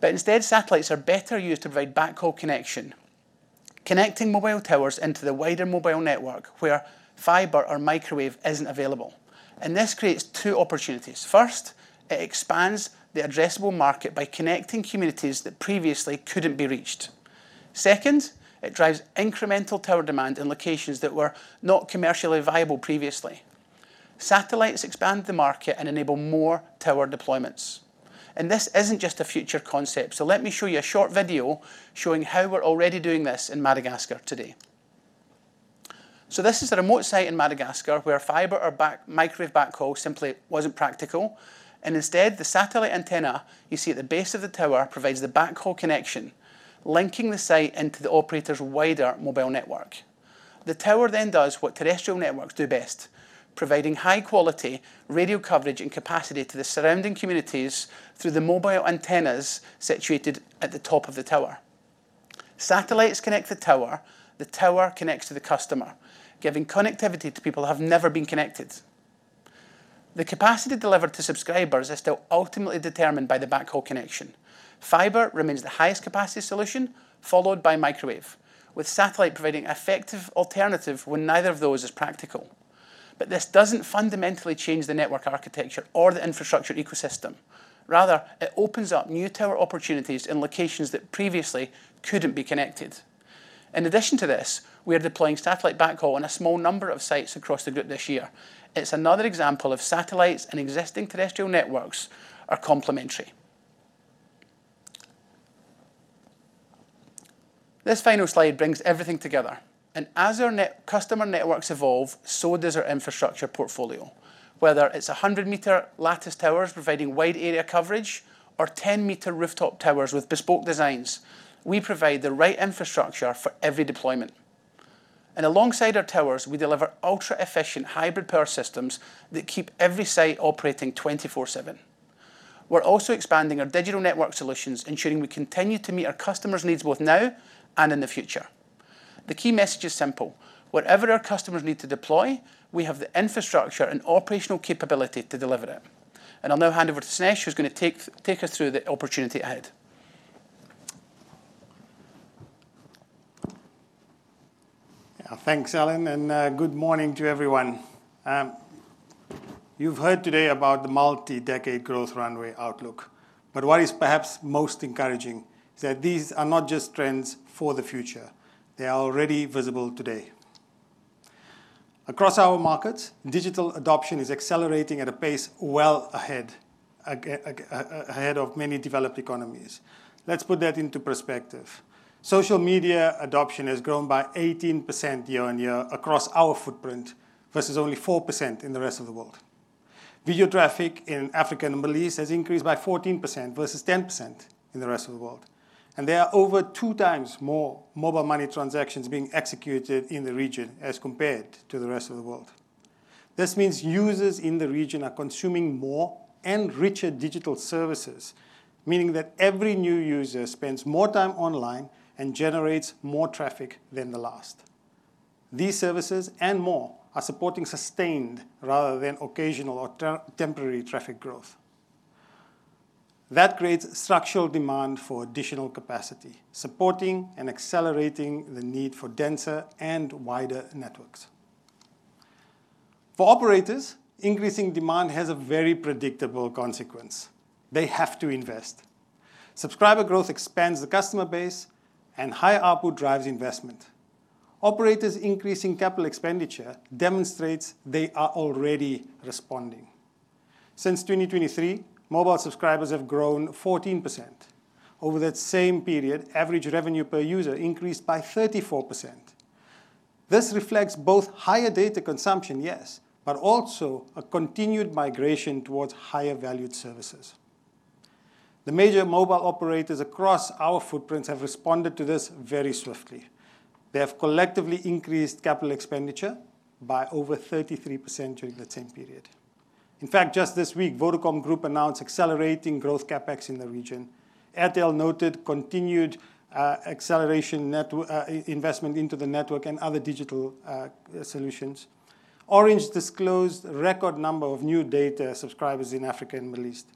Instead, satellites are better used to provide backhaul connection, connecting mobile towers into the wider mobile network where fiber or microwave isn't available. This creates two opportunities. First, it expands the addressable market by connecting communities that previously couldn't be reached. Second, it drives incremental tower demand in locations that were not commercially viable previously. Satellites expand the market and enable more tower deployments. This isn't just a future concept, let me show you a short video showing how we're already doing this in Madagascar today. This is a remote site in Madagascar where fiber or microwave backhaul simply wasn't practical. Instead, the satellite antenna you see at the base of the tower provides the backhaul connection, linking the site into the operator's wider mobile network. The tower does what terrestrial networks do best, providing high-quality radio coverage and capacity to the surrounding communities through the mobile antennas situated at the top of the tower. Satellites connect the tower. The tower connects to the customer, giving connectivity to people who have never been connected. The capacity delivered to subscribers is still ultimately determined by the backhaul connection. Fiber remains the highest capacity solution, followed by microwave, with satellite providing effective alternative when neither of those is practical. This doesn't fundamentally change the network architecture or the infrastructure ecosystem. Rather, it opens up new tower opportunities in locations that previously couldn't be connected. In addition to this, we are deploying satellite backhaul in a small number of sites across the group this year. It's another example of satellites and existing terrestrial networks are complementary. This final slide brings everything together. As our customer networks evolve, so does our infrastructure portfolio. Whether it's 100 m lattice towers providing wide area coverage or 10 m rooftop towers with bespoke designs, we provide the right infrastructure for every deployment. Alongside our towers, we deliver ultra-efficient hybrid power systems that keep every site operating 24/7. We're also expanding our digital network solutions, ensuring we continue to meet our customers' needs both now and in the future. The key message is simple: Whatever our customers need to deploy, we have the infrastructure and operational capability to deliver it. I'll now hand over to Sainesh, who's going to take us through the opportunity ahead. Yeah. Thanks, Allan, and good morning to everyone. You've heard today about the multi-decade growth runway outlook, but what is perhaps most encouraging is that these are not just trends for the future. They are already visible today. Across our markets, digital adoption is accelerating at a pace well ahead of many developed economies. Let's put that into perspective. Social media adoption has grown by 18% year-on-year across our footprint, versus only 4% in the rest of the world. Video traffic in Africa and the Middle East has increased by 14% versus 10% in the rest of the world. There are over 2x more mobile money transactions being executed in the region as compared to the rest of the world. This means users in the region are consuming more and richer digital services, meaning that every new user spends more time online and generates more traffic than the last. These services and more are supporting sustained rather than occasional or temporary traffic growth. That creates structural demand for additional capacity, supporting and accelerating the need for denser and wider networks. For operators, increasing demand has a very predictable consequence. They have to invest. Subscriber growth expands the customer base, and high ARPU drives investment. Operators increasing capital expenditure demonstrates they are already responding. Since 2023, mobile subscribers have grown 14%. Over that same period, average revenue per user increased by 34%. This reflects both higher data consumption, yes, but also a continued migration towards higher valued services. The major mobile operators across our footprints have responded to this very swiftly. They have collectively increased capital expenditure by over 33% during that same period. In fact, just this week, Vodacom Group announced accelerating growth CapEx in the region. Airtel noted continued acceleration investment into the network and other digital solutions. Orange disclosed a record number of new data subscribers in Africa and the Middle East.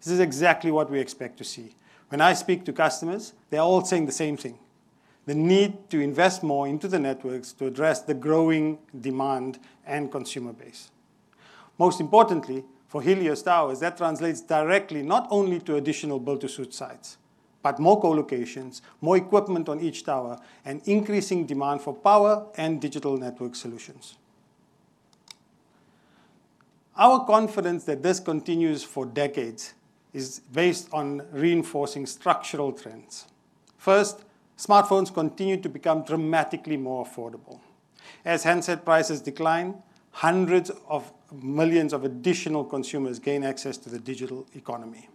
This is exactly what we expect to see. When I speak to customers, they're all saying the same thing, the need to invest more into the networks to address the growing demand and consumer base. Most importantly, for Helios Towers, that translates directly not only to additional build-to-suit sites, but more co-locations, more equipment on each tower, and increasing demand for power and digital network solutions. Our confidence that this continues for decades is based on reinforcing structural trends. First, smartphones continue to become dramatically more affordable. As handset prices decline, hundreds of millions of additional consumers gain access to the digital economy.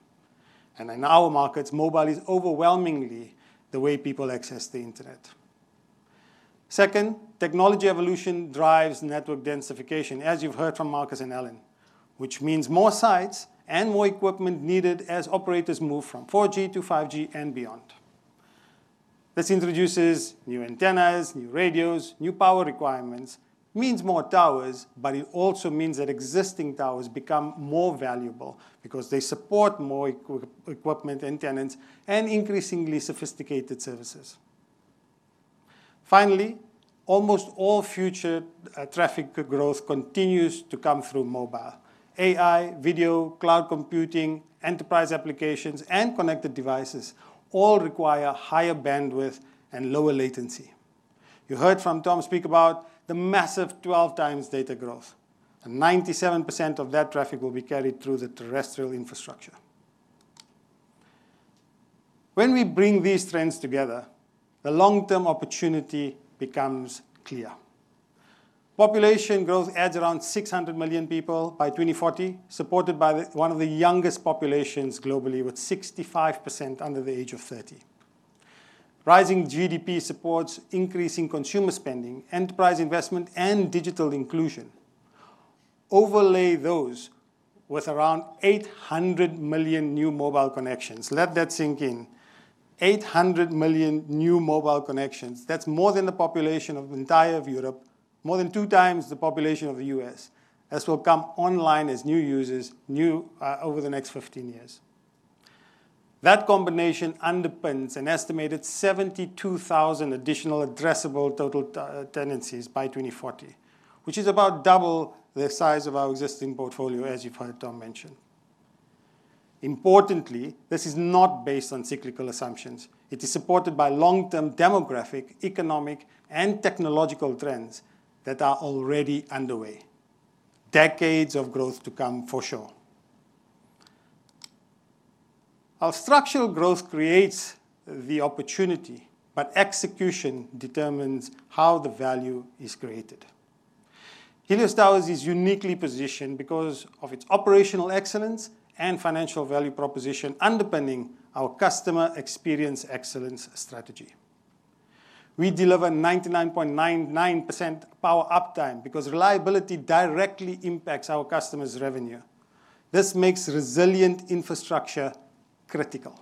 In our markets, mobile is overwhelmingly the way people access the Internet. Second, technology evolution drives network densification, as you've heard from Marcus and Allan, which means more sites and more equipment needed as operators move from 4G to 5G and beyond. This introduces new antennas, new radios, new power requirements. It means more towers, but it also means that existing towers become more valuable because they support more equipment and tenants and increasingly sophisticated services. Finally, almost all future traffic growth continues to come through mobile. AI, video, cloud computing, enterprise applications, and connected devices all require higher bandwidth and lower latency. You heard Tom speak about the massive 12x data growth, and 97% of that traffic will be carried through the terrestrial infrastructure. When we bring these trends together, the long-term opportunity becomes clear. Population growth adds around 600 million people by 2040, supported by one of the youngest populations globally, with 65% under the age of 30. Rising GDP supports increasing consumer spending, enterprise investment, and digital inclusion. Overlay those with around 800 million new mobile connections. Let that sink in. 800 million new mobile connections. That's more than the population of the entire of Europe, more than 2x the population of the U.S., that will come online as new users over the next 15 years. That combination underpins an estimated 72,000 additional addressable total tenancies by 2040, which is about double the size of our existing portfolio, as you've heard Tom mention. Importantly, this is not based on cyclical assumptions. It is supported by long-term demographic, economic, and technological trends that are already underway. Decades of growth to come for sure. Our structural growth creates the opportunity, but execution determines how the value is created. Helios Towers is uniquely positioned because of its operational excellence and financial value proposition underpinning our customer experience excellence strategy. We deliver 99.99% power uptime because reliability directly impacts our customers' revenue. This makes resilient infrastructure critical.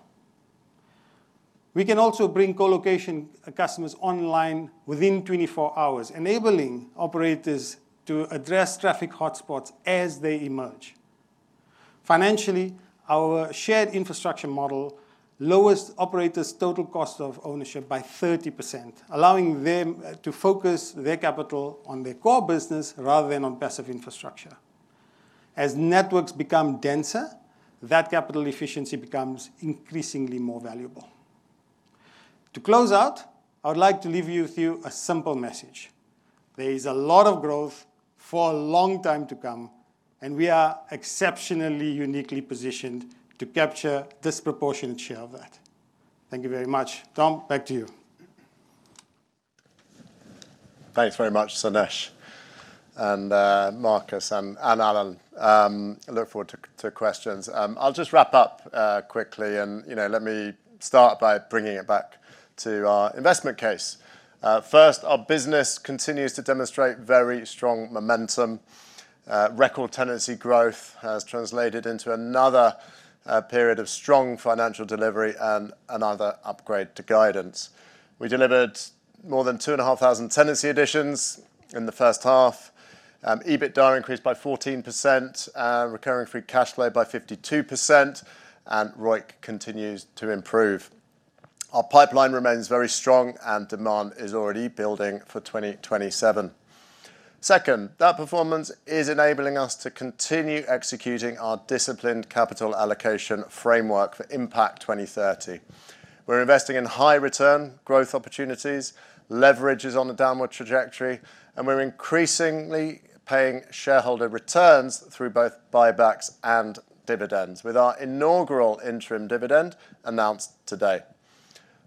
We can also bring co-location customers online within 24 hours, enabling operators to address traffic hotspots as they emerge. Financially, our shared infrastructure model lowers operators' total cost of ownership by 30%, allowing them to focus their capital on their core business rather than on passive infrastructure. As networks become denser, that capital efficiency becomes increasingly more valuable. To close out, I would like to leave you with a simple message. There is a lot of growth for a long time to come, and we are exceptionally uniquely positioned to capture a disproportionate share of that. Thank you very much. Tom, back to you. Thanks very much, Sainesh and Marcus and Allan. I look forward to questions. I'll just wrap up quickly. Let me start by bringing it back to our investment case. First, our business continues to demonstrate very strong momentum. Record tenancy growth has translated into another period of strong financial delivery and another upgrade to guidance. We delivered more than 2,500 tenancy additions in the first half. EBITDA increased by 14%, recurring free cash flow by 52%, and ROIC continues to improve. Our pipeline remains very strong and demand is already building for 2027. Second, that performance is enabling us to continue executing our disciplined capital allocation framework for IMPACT 2030. We're investing in high return growth opportunities, leverage is on a downward trajectory, and we're increasingly paying shareholder returns through both buybacks and dividends, with our inaugural interim dividend announced today.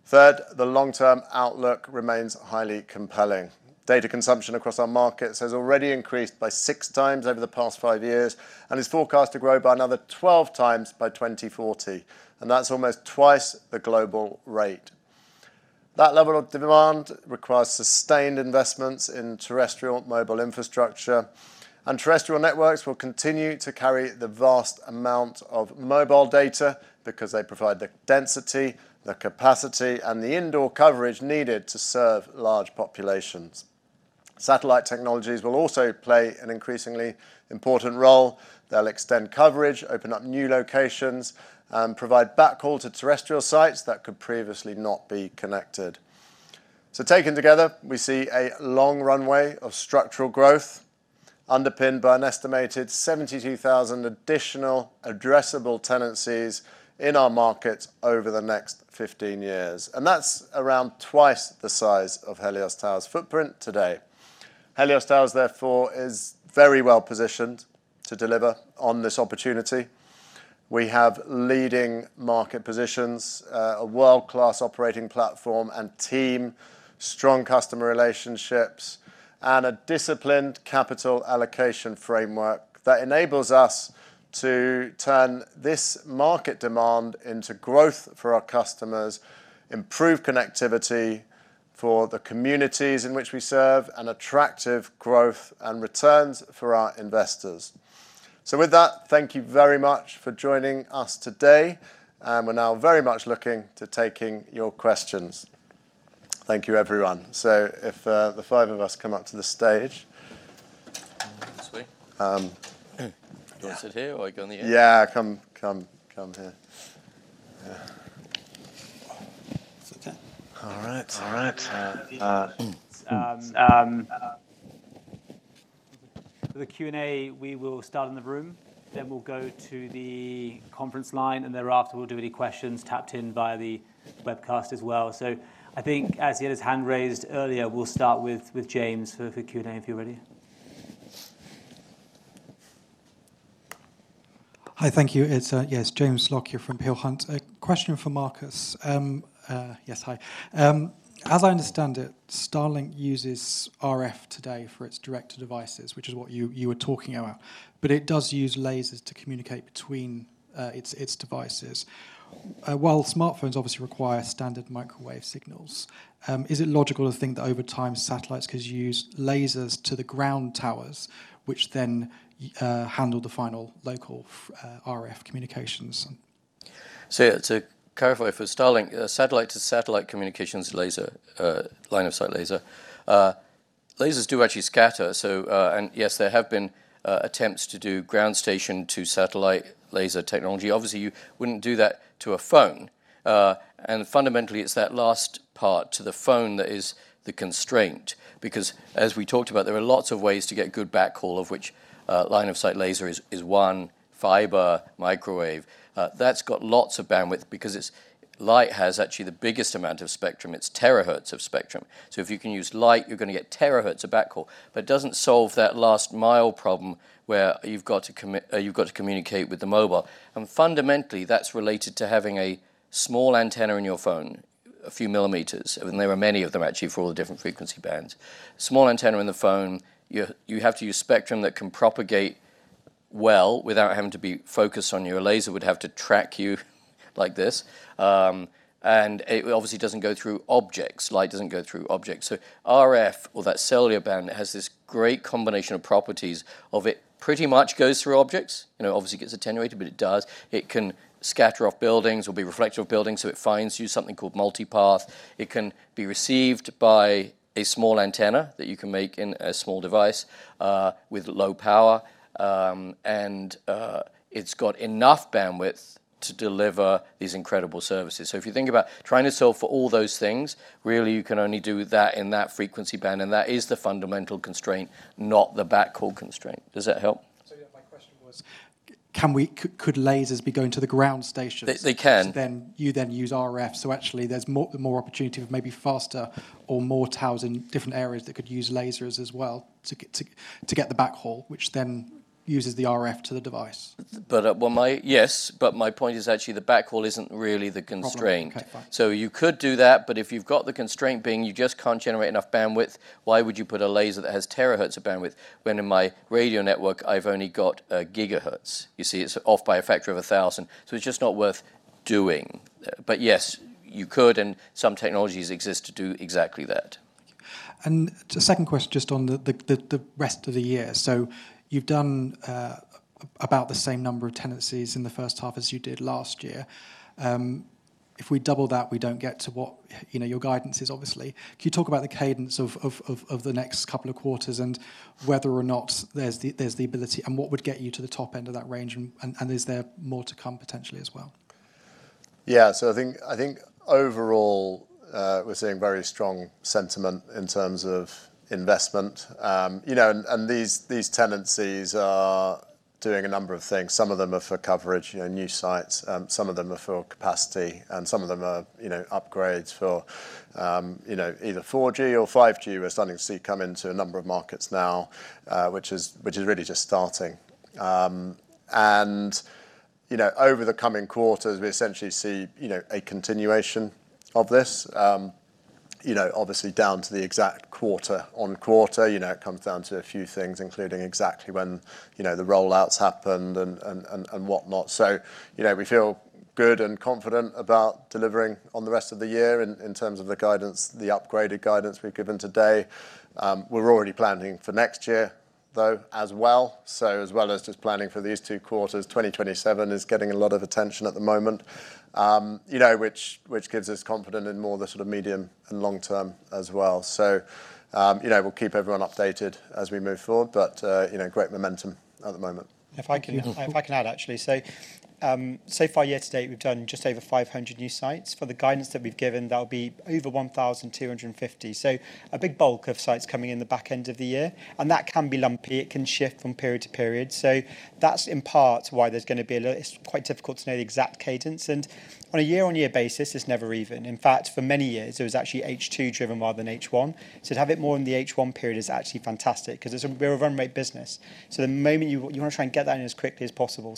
Third, the long-term outlook remains highly compelling. Data consumption across our markets has already increased by 6x over the past five years and is forecast to grow by another 12x by 2040, that's almost twice the global rate. That level of demand requires sustained investments in terrestrial mobile infrastructure, and terrestrial networks will continue to carry the vast amount of mobile data because they provide the density, the capacity, and the indoor coverage needed to serve large populations. Satellite technologies will also play an increasingly important role. They'll extend coverage, open up new locations, and provide backhaul to terrestrial sites that could previously not be connected. Taken together, we see a long runway of structural growth underpinned by an estimated 72,000 additional addressable tenancies in our market over the next 15 years. That's around twice the size of Helios Towers' footprint today. Helios Towers, therefore, is very well-positioned to deliver on this opportunity. We have leading market positions, a world-class operating platform and team, strong customer relationships, and a disciplined capital allocation framework that enables us to turn this market demand into growth for our customers, improve connectivity for the communities in which we serve, and attractive growth and returns for our investors. With that, thank you very much for joining us today, and we're now very much looking to taking your questions. Thank you, everyone. If the five of us come up to the stage. This way. Do you want to sit here, or you go on the end? Yeah. Come here. All right. For the Q&A, we will start in the room, then we'll go to the conference line, and thereafter we'll do any questions tapped in via the webcast as well. I think, as he had his hand raised earlier, we'll start with James for Q&A, if you're ready. Hi. Thank you. It's James Lockyer here from Peel Hunt. A question for Marcus. Yes, hi. As I understand it, Starlink uses RF today for its direct-to-devices, which is what you were talking about. It does use lasers to communicate between its devices, while smartphones obviously require standard microwave signals. Is it logical to think that over time satellites could use lasers to the ground towers, which then handle the final local RF communications? Yeah, to clarify, for Starlink satellite to satellite communications laser, line of sight laser. Lasers do actually scatter, yes, there have been attempts to do ground station to satellite laser technology. Obviously, you wouldn't do that to a phone. Fundamentally it's that last part to the phone that is the constraint. As we talked about, there are lots of ways to get good backhaul, of which line of sight laser is one, fiber, microwave. That's got lots of bandwidth because light has actually the biggest amount of spectrum. It's terahertz of spectrum. If you can use light, you're going to get terahertz of backhaul. It doesn't solve that last mile problem where you've got to communicate with the mobile, and fundamentally that's related to having a small antenna in your phone, a few millimeters, and there are many of them actually for all the different frequency bands. Small antenna in the phone. You have to use spectrum that can propagate well without having to be focused on you. A laser would have to track you like this. It obviously doesn't go through objects. Light doesn't go through objects. RF or that cellular band has this great combination of properties of it pretty much goes through objects. Obviously it gets attenuated, but it does. It can scatter off buildings, or be reflective of buildings, so it finds you. Something called multipath. It can be received by a small antenna that you can make in a small device, with low power. It's got enough bandwidth to deliver these incredible services. If you think about trying to solve for all those things, really you can only do that in that frequency band and that is the fundamental constraint, not the backhaul constraint. Does that help? Yeah, my question was, could lasers be going to the ground stations? They can. You then use RFs, actually there's more opportunity of maybe faster or more towers in different areas that could use lasers as well to get the backhaul, which then uses the RF to the device. Yes, but my point is actually the backhaul isn't really the constraint. Fine. You could do that, but if you've got the constraint being you just can't generate enough bandwidth, why would you put a laser that has terahertz of bandwidth when in my radio network I've only got gigahertz, you see? It's off by a factor of 1,000, so it's just not worth doing. Yes, you could, and some technologies exist to do exactly that. Thank you. A second question just on the rest of the year. You've done about the same number of tenancies in the first half as you did last year. If we double that, we don't get to what your guidance is, obviously. Can you talk about the cadence of the next couple of quarters and whether or not there's the ability, and what would get you to the top end of that range, and is there more to come potentially as well? I think overall, we're seeing very strong sentiment in terms of investment. These tenancies are doing a number of things. Some of them are for coverage, new sites, some of them are for capacity and some of them are upgrades for either 4G or 5G. We're starting to see come into a number of markets now, which is really just starting. Over the coming quarters, we essentially see a continuation of this. Down to the exact quarter on quarter, it comes down to a few things, including exactly when the roll-outs happened and whatnot. We feel good and confident about delivering on the rest of the year in terms of the upgraded guidance we've given today. We're already planning for next year, though, as well. As well as just planning for these two quarters, 2027 is getting a lot of attention at the moment, which gives us confidence in more the medium and long-term as well. We'll keep everyone updated as we move forward, but great momentum at the moment. If I can add, actually. So far, year to date, we've done just over 500 new sites. For the guidance that we've given, that'll be over 1,250. A big bulk of sites coming in the back end of the year, and that can be lumpy. It can shift from period to period. That's in part why it's quite difficult to know the exact cadence. On a year-on-year basis, it's never even. In fact, for many years it was actually H2 driven rather than H1. To have it more in the H1 period is actually fantastic because we're a run rate business. The moment you want to try and get that in as quickly as possible.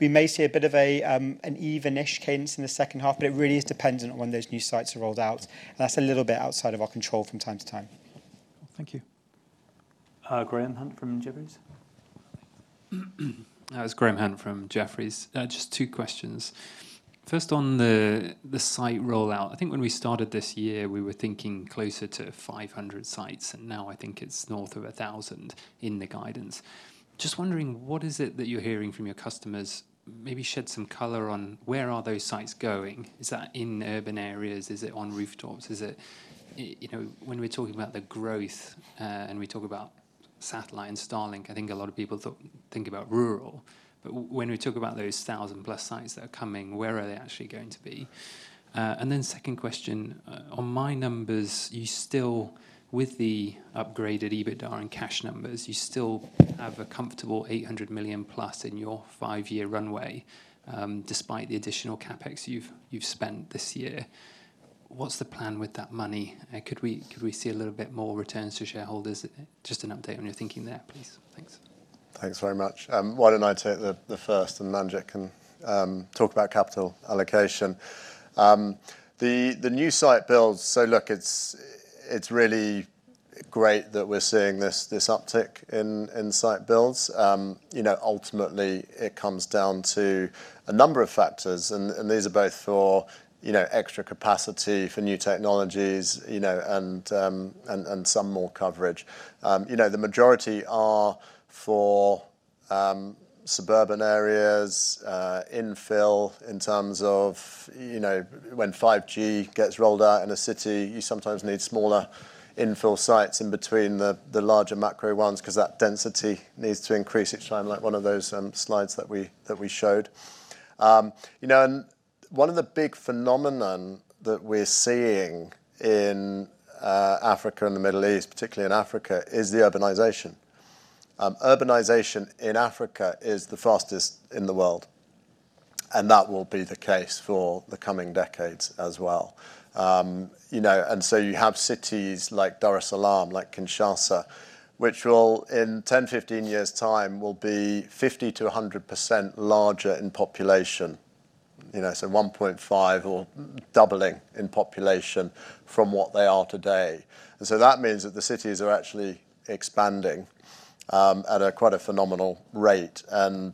We may see a bit of an even-ish cadence in the second half, but it really is dependent on when those new sites are rolled out, and that's a little bit outside of our control from time to time. Thank you. Graham Hunt from Jefferies. It's Graham Hunt from Jefferies. Just two questions. First on the site rollout. I think when we started this year, we were thinking closer to 500 sites, and now I think it's north of 1,000 in the guidance. Just wondering, what is it that you're hearing from your customers? Maybe shed some color on where are those sites going. Is that in urban areas? Is it on rooftops? When we're talking about the growth, and we talk about satellite and Starlink, I think a lot of people think about rural. But when we talk about those 1,000+ sites that are coming, where are they actually going to be? Second question. On my numbers, with the upgraded EBITDA and cash numbers, you still have a comfortable $800+ million in your five-year runway, despite the additional CapEx you've spent this year. What's the plan with that money? Could we see a little bit more returns to shareholders? Just an update on your thinking there, please. Thanks. Thanks very much. Why don't I take the first and Manjit can talk about capital allocation. The new site builds, it's really great that we're seeing this uptick in site builds. Ultimately it comes down to a number of factors and these are both for extra capacity, for new technologies, and some more coverage. The majority are for suburban areas, infill in terms of when 5G gets rolled out in a city, you sometimes need smaller infill sites in between the larger macro ones because that density needs to increase each time, like one of those slides that we showed. One of the big phenomenon that we're seeing in Africa and the Middle East, particularly in Africa, is the urbanization. Urbanization in Africa is the fastest in the world, and that will be the case for the coming decades as well. You have cities like Dar es Salaam, like Kinshasa, which in 10, 15 years time will be 50%-100% larger in population. 1.5 or doubling in population from what they are today. That means that the cities are actually expanding at quite a phenomenal rate. When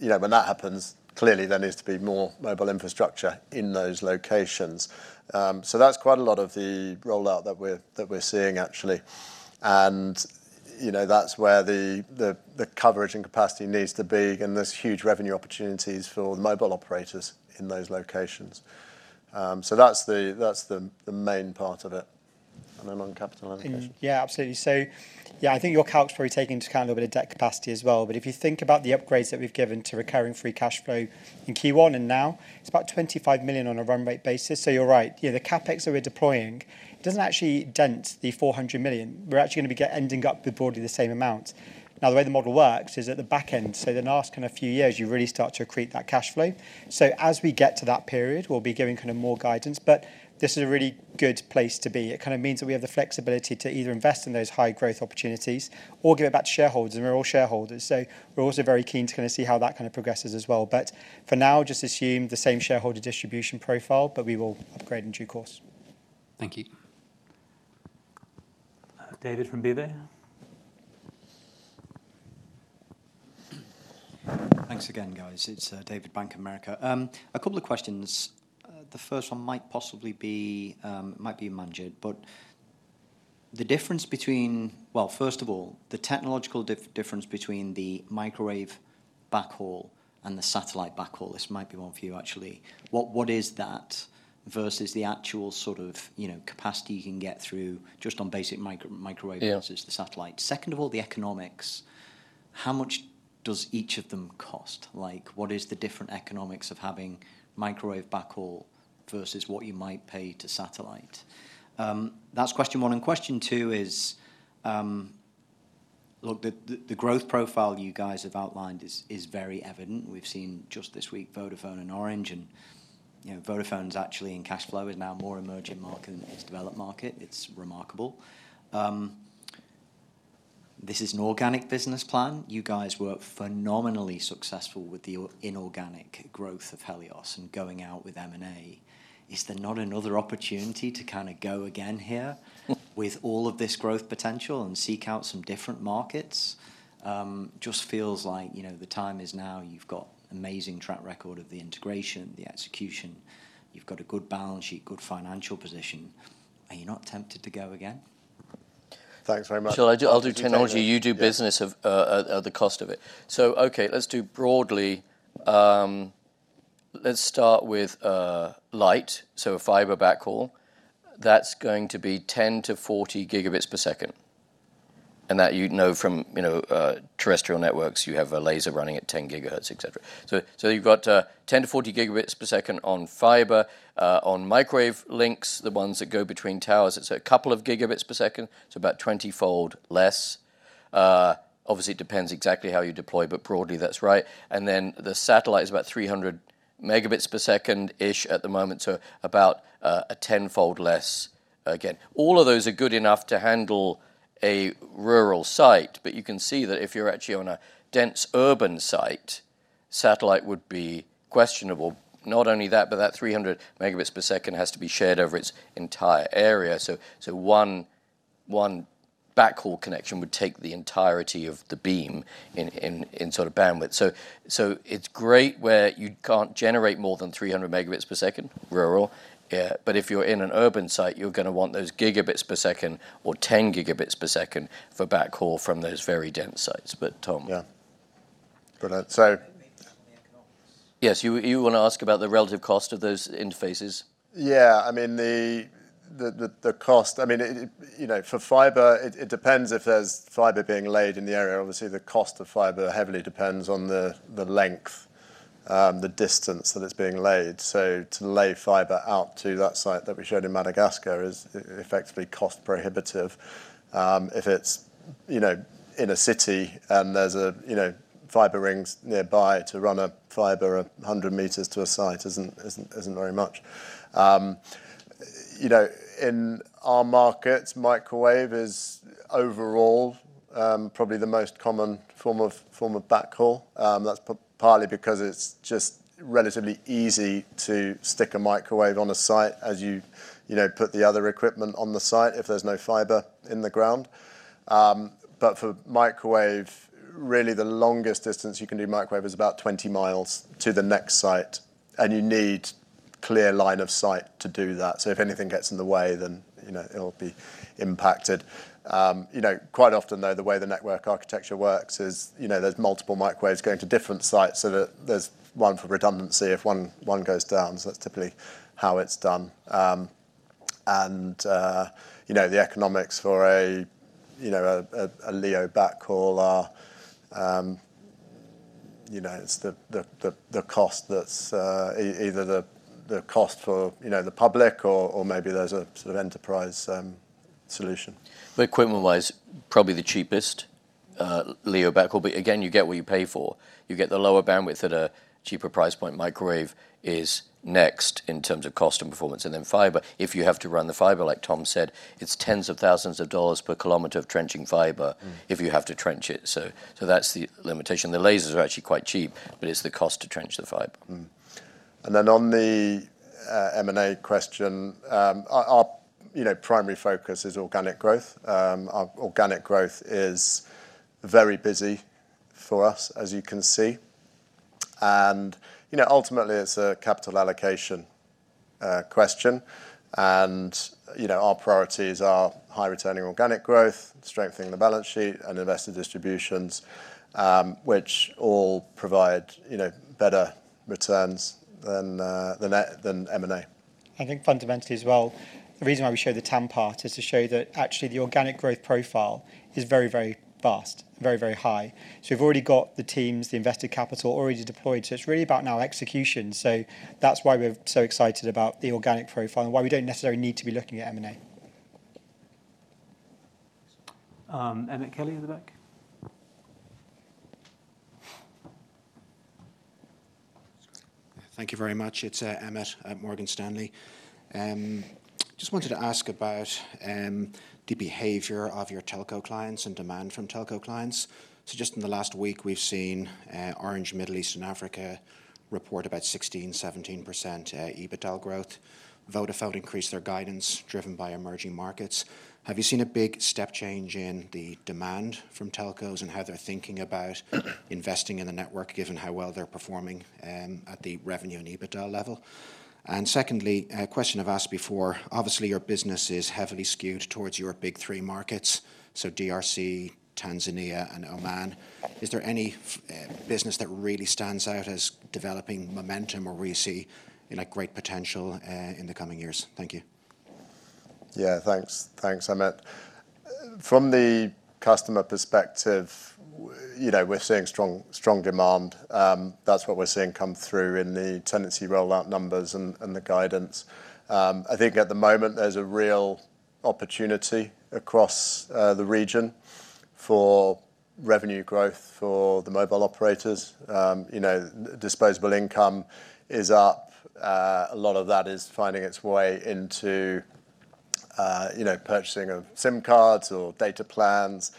that happens, clearly there needs to be more mobile infrastructure in those locations. That's quite a lot of the rollout that we're seeing, actually. That's where the coverage and capacity needs to be. Again, there's huge revenue opportunities for the mobile operators in those locations. That's the main part of it. On capital allocation. Yeah, absolutely. I think your calcs probably taking into account a little bit of debt capacity as well. If you think about the upgrades that we've given to recurring free cash flow in Q1 and now, it's about $25 million on a run rate basis. You're right, the CapEx that we're deploying doesn't actually dent the $400 million. We're actually going to be ending up with broadly the same amount. Now the way the model works is at the back end. The next few years, you really start to accrete that cash flow. As we get to that period, we'll be giving more guidance, but this is a really good place to be. It means that we have the flexibility to either invest in those high growth opportunities or give it back to shareholders, and we're all shareholders. We're also very keen to see how that progresses as well. For now, just assume the same shareholder distribution profile, but we will upgrade in due course. Thank you. David from Bank of America. Thanks again, guys. It's David, Bank of America. A couple of questions. The first one might be Manjit. First of all, the technological difference between the microwave backhaul and the satellite backhaul. This might be one for you, actually. What is that versus the actual capacity you can get through just on basic microwaves versus the satellite. Second of all, the economics. How much does each of them cost? What is the different economics of having microwave backhaul versus what you might pay to satellite? That's question one. Question two is, the growth profile you guys have outlined is very evident. We've seen just this week Vodafone and Orange, Vodafone's actually in cash flow is now more emerging market than it is developed market. It's remarkable. This is an organic business plan. You guys were phenomenally successful with the inorganic growth of Helios and going out with M&A. Is there not another opportunity to go again here with all of this growth potential and seek out some different markets? Just feels like the time is now. You've got amazing track record of the integration, the execution. You've got a good balance sheet, good financial position. Are you not tempted to go again? Thanks very much. Shall I do? I'll do technology, you do business of the cost of it. Okay, let's do broadly. Let's start with light, so a fiber backhaul. That's going to be 10-40 Gbps. That you'd know from terrestrial networks, you have a laser running at 10 GHz, et cetera. You've got 10-40 Gbps on fiber. On microwave links, the ones that go between towers, it's a couple of gigabits per second, so about 20-fold less. Obviously, it depends exactly how you deploy, but broadly that's right. The satellite is about 300 Mbps-ish at the moment, so about a 10-fold less again. All of those are good enough to handle a rural site, but you can see that if you're actually on a dense urban site, satellite would be questionable. Not only that, but that 300 Mbps has to be shared over its entire area. One backhaul connection would take the entirety of the beam in bandwidth. It's great where you can't generate more than 300 Mbps rural. If you're in an urban site, you're going to want those gigabits per second or 10 Gbps for backhaul from those very dense sites. Tom. Yeah. Brilliant. Make the comment on the economics. Yes. You want to ask about the relative cost of those interfaces? Yeah. The cost. For fiber, it depends if there's fiber being laid in the area. Obviously, the cost of fiber heavily depends on the length, the distance that it's being laid. To lay fiber out to that site that we showed in Madagascar is effectively cost prohibitive. If it's in a city and there's fiber rings nearby to run a fiber 100 m to a site isn't very much. In our markets, microwave is overall probably the most common form of backhaul. That's partly because it's just relatively easy to stick a microwave on a site as you put the other equipment on the site if there's no fiber in the ground. For microwave, really the longest distance you can do microwave is about 20 mi to the next site, and you need clear line of sight to do that. If anything gets in the way, then it'll be impacted. Quite often, though, the way the network architecture works is there's multiple microwaves going to different sites so that there's one for redundancy if one goes down. That's typically how it's done. The economics for a LEO backhaul are, it's either the cost for the public or maybe there's a sort of enterprise solution. Equipment-wise, probably the cheapest LEO backhaul. Again, you get what you pay for. You get the lower bandwidth at a cheaper price point. Microwave is next in terms of cost and performance. Then fiber, if you have to run the fiber, like Tom said, it's tens of thousands of dollars per kilometer of trenching fiber if you have to trench it. That's the limitation. The lasers are actually quite cheap, but it's the cost to trench the fiber. Then on the M&A question, our primary focus is organic growth. Our organic growth is very busy for us as you can see. Ultimately, it's a capital allocation question. Our priorities are high returning organic growth, strengthening the balance sheet, and investor distributions, which all provide better returns than M&A. I think fundamentally as well, the reason why we show the TAM part is to show that actually the organic growth profile is very, very vast and very, very high. We've already got the teams, the invested capital already deployed. It's really about now execution. That's why we're so excited about the organic profile and why we don't necessarily need to be looking at M&A. Emmet Kelly at the back. Thank you very much. It's Emmet at Morgan Stanley. Just wanted to ask about the behavior of your telco clients and demand from telco clients. Just in the last week, we've seen Orange Middle East and Africa report about 16%, 17% EBITDA growth. Vodafone increased their guidance driven by emerging markets. Have you seen a big step change in the demand from telcos and how they're thinking about investing in the network, given how well they're performing at the revenue and EBITDA level? Secondly, a question I've asked before. Obviously, your business is heavily skewed towards your big three markets, so DRC, Tanzania, and Oman. Is there any business that really stands out as developing momentum or where you see great potential in the coming years? Thank you. Yeah. Thanks, Emmet. From the customer perspective, we're seeing strong demand. That's what we're seeing come through in the tenancy rollout numbers and the guidance. I think at the moment, there's a real opportunity across the region for revenue growth for the mobile operators. Disposable income is up. A lot of that is finding its way into purchasing of SIM cards or data plans.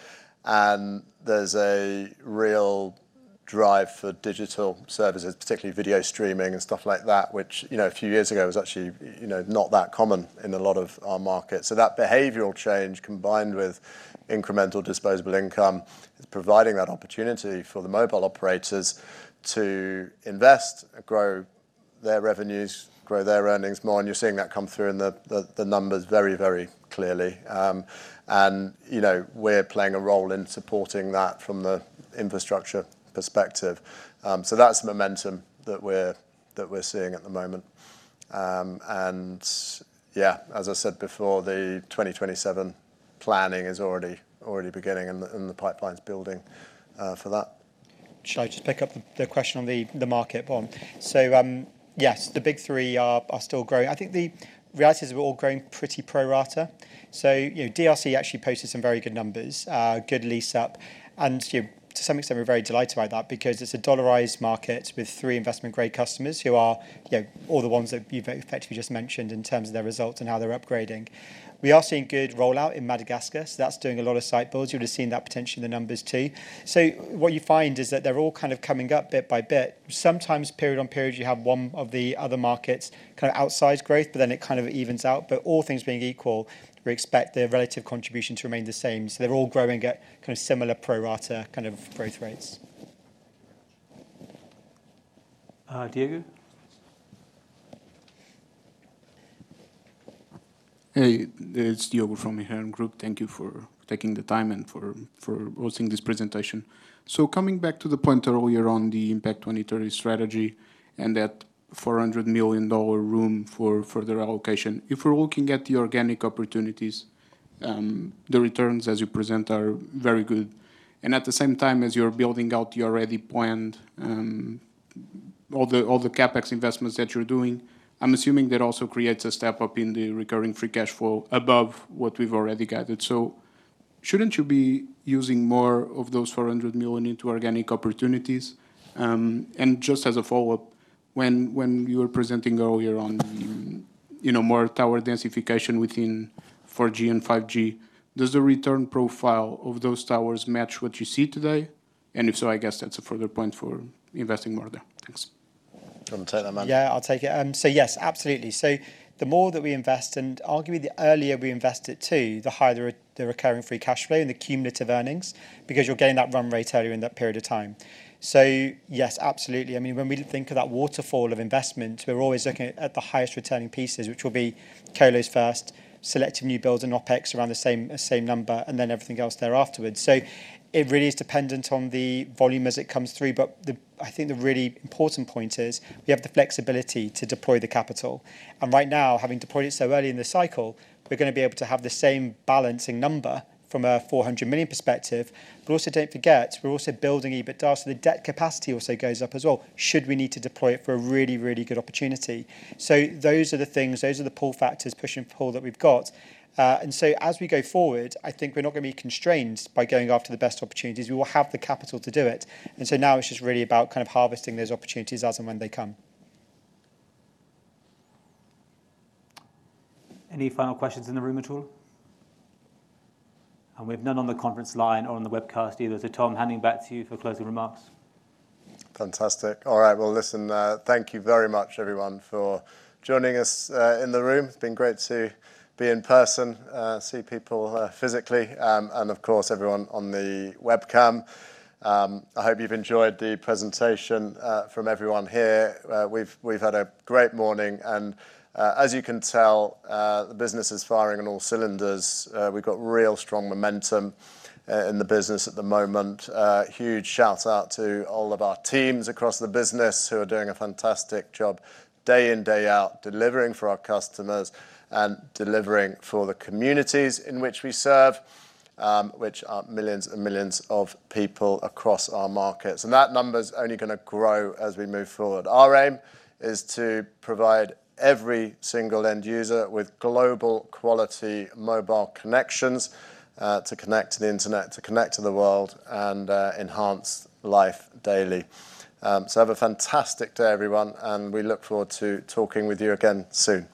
There's a real drive for digital services, particularly video streaming and stuff like that, which a few years ago was actually not that common in a lot of our markets. That behavioral change combined with incremental disposable income is providing that opportunity for the mobile operators to invest, grow their revenues, grow their earnings more, and you're seeing that come through in the numbers very, very clearly. We're playing a role in supporting that from the infrastructure perspective. That's the momentum that we're seeing at the moment. Yeah, as I said before, the 2027 planning is already beginning, and the pipeline's building for that. Shall I just pick up the question on the market, Tom? Yes, the big three are still growing. I think the reality is we're all growing pretty pro rata. DRC actually posted some very good numbers, good lease-up. To some extent, we're very delighted by that because it's a dollarized market with three investment-grade customers who are all the ones that you've effectively just mentioned in terms of their results and how they're upgrading. We are seeing good rollout in Madagascar. That's doing a lot of site builds. You would've seen that potentially in the numbers, too. What you find is that they're all kind of coming up bit by bit. Sometimes period on period, you have one of the other markets kind of outsize growth, but then it kind of evens out. All things being equal, we expect their relative contribution to remain the same. They're all growing at kind of similar pro rata kind of growth rates. Diego. Hey, it's Diego from Mirae Asset Group. Thank you for taking the time and for hosting this presentation. Coming back to the point earlier on the IMPACT 2030 strategy and that $400 million room for further allocation. If we're looking at the organic opportunities, the returns as you present are very good. At the same time as you're building out your already planned all the CapEx investments that you're doing, I'm assuming that also creates a step-up in the recurring free cash flow above what we've already gathered. Shouldn't you be using more of those $400 million into organic opportunities? Just as a follow-up, when you were presenting earlier on more tower densification within 4G and 5G, does the return profile of those towers match what you see today? If so, I guess that's a further point for investing more there. Thanks. Do you want to take that, Manjit? Yeah, I'll take it. Yes, absolutely. The more that we invest, and arguably the earlier we invest it, too, the higher the recurring free cash flow and the cumulative earnings, because you're getting that run rate earlier in that period of time. Yes, absolutely. When we think of that waterfall of investment, we're always looking at the highest returning pieces, which will be colos first, selective new builds and OpEx around the same number, and then everything else there afterwards. It really is dependent on the volume as it comes through. I think the really important point is we have the flexibility to deploy the capital. Right now, having deployed it so early in the cycle, we're going to be able to have the same balancing number from a $400 million perspective. Also, don't forget, we're also building EBITDA, the debt capacity also goes up as well, should we need to deploy it for a really, really good opportunity. Those are the things, those are the pull factors, push and pull that we've got. As we go forward, I think we're not going to be constrained by going after the best opportunities. We will have the capital to do it. Now it's just really about kind of harvesting those opportunities as and when they come. Any final questions in the room at all? We have none on the conference line or on the webcast either. Tom, handing back to you for closing remarks. Fantastic. All right. Well, listen, thank you very much, everyone, for joining us in the room. It's been great to be in person, see people physically, and of course, everyone on the webcam. I hope you've enjoyed the presentation from everyone here. We've had a great morning and, as you can tell, the business is firing on all cylinders. We've got real strong momentum in the business at the moment. Huge shout-out to all of our teams across the business who are doing a fantastic job day in, day out, delivering for our customers and delivering for the communities in which we serve, which are millions and millions of people across our markets. That number's only going to grow as we move forward. Our aim is to provide every single end user with global quality mobile connections, to connect to the Internet, to connect to the world, and enhance life daily. Have a fantastic day, everyone, and we look forward to talking with you again soon.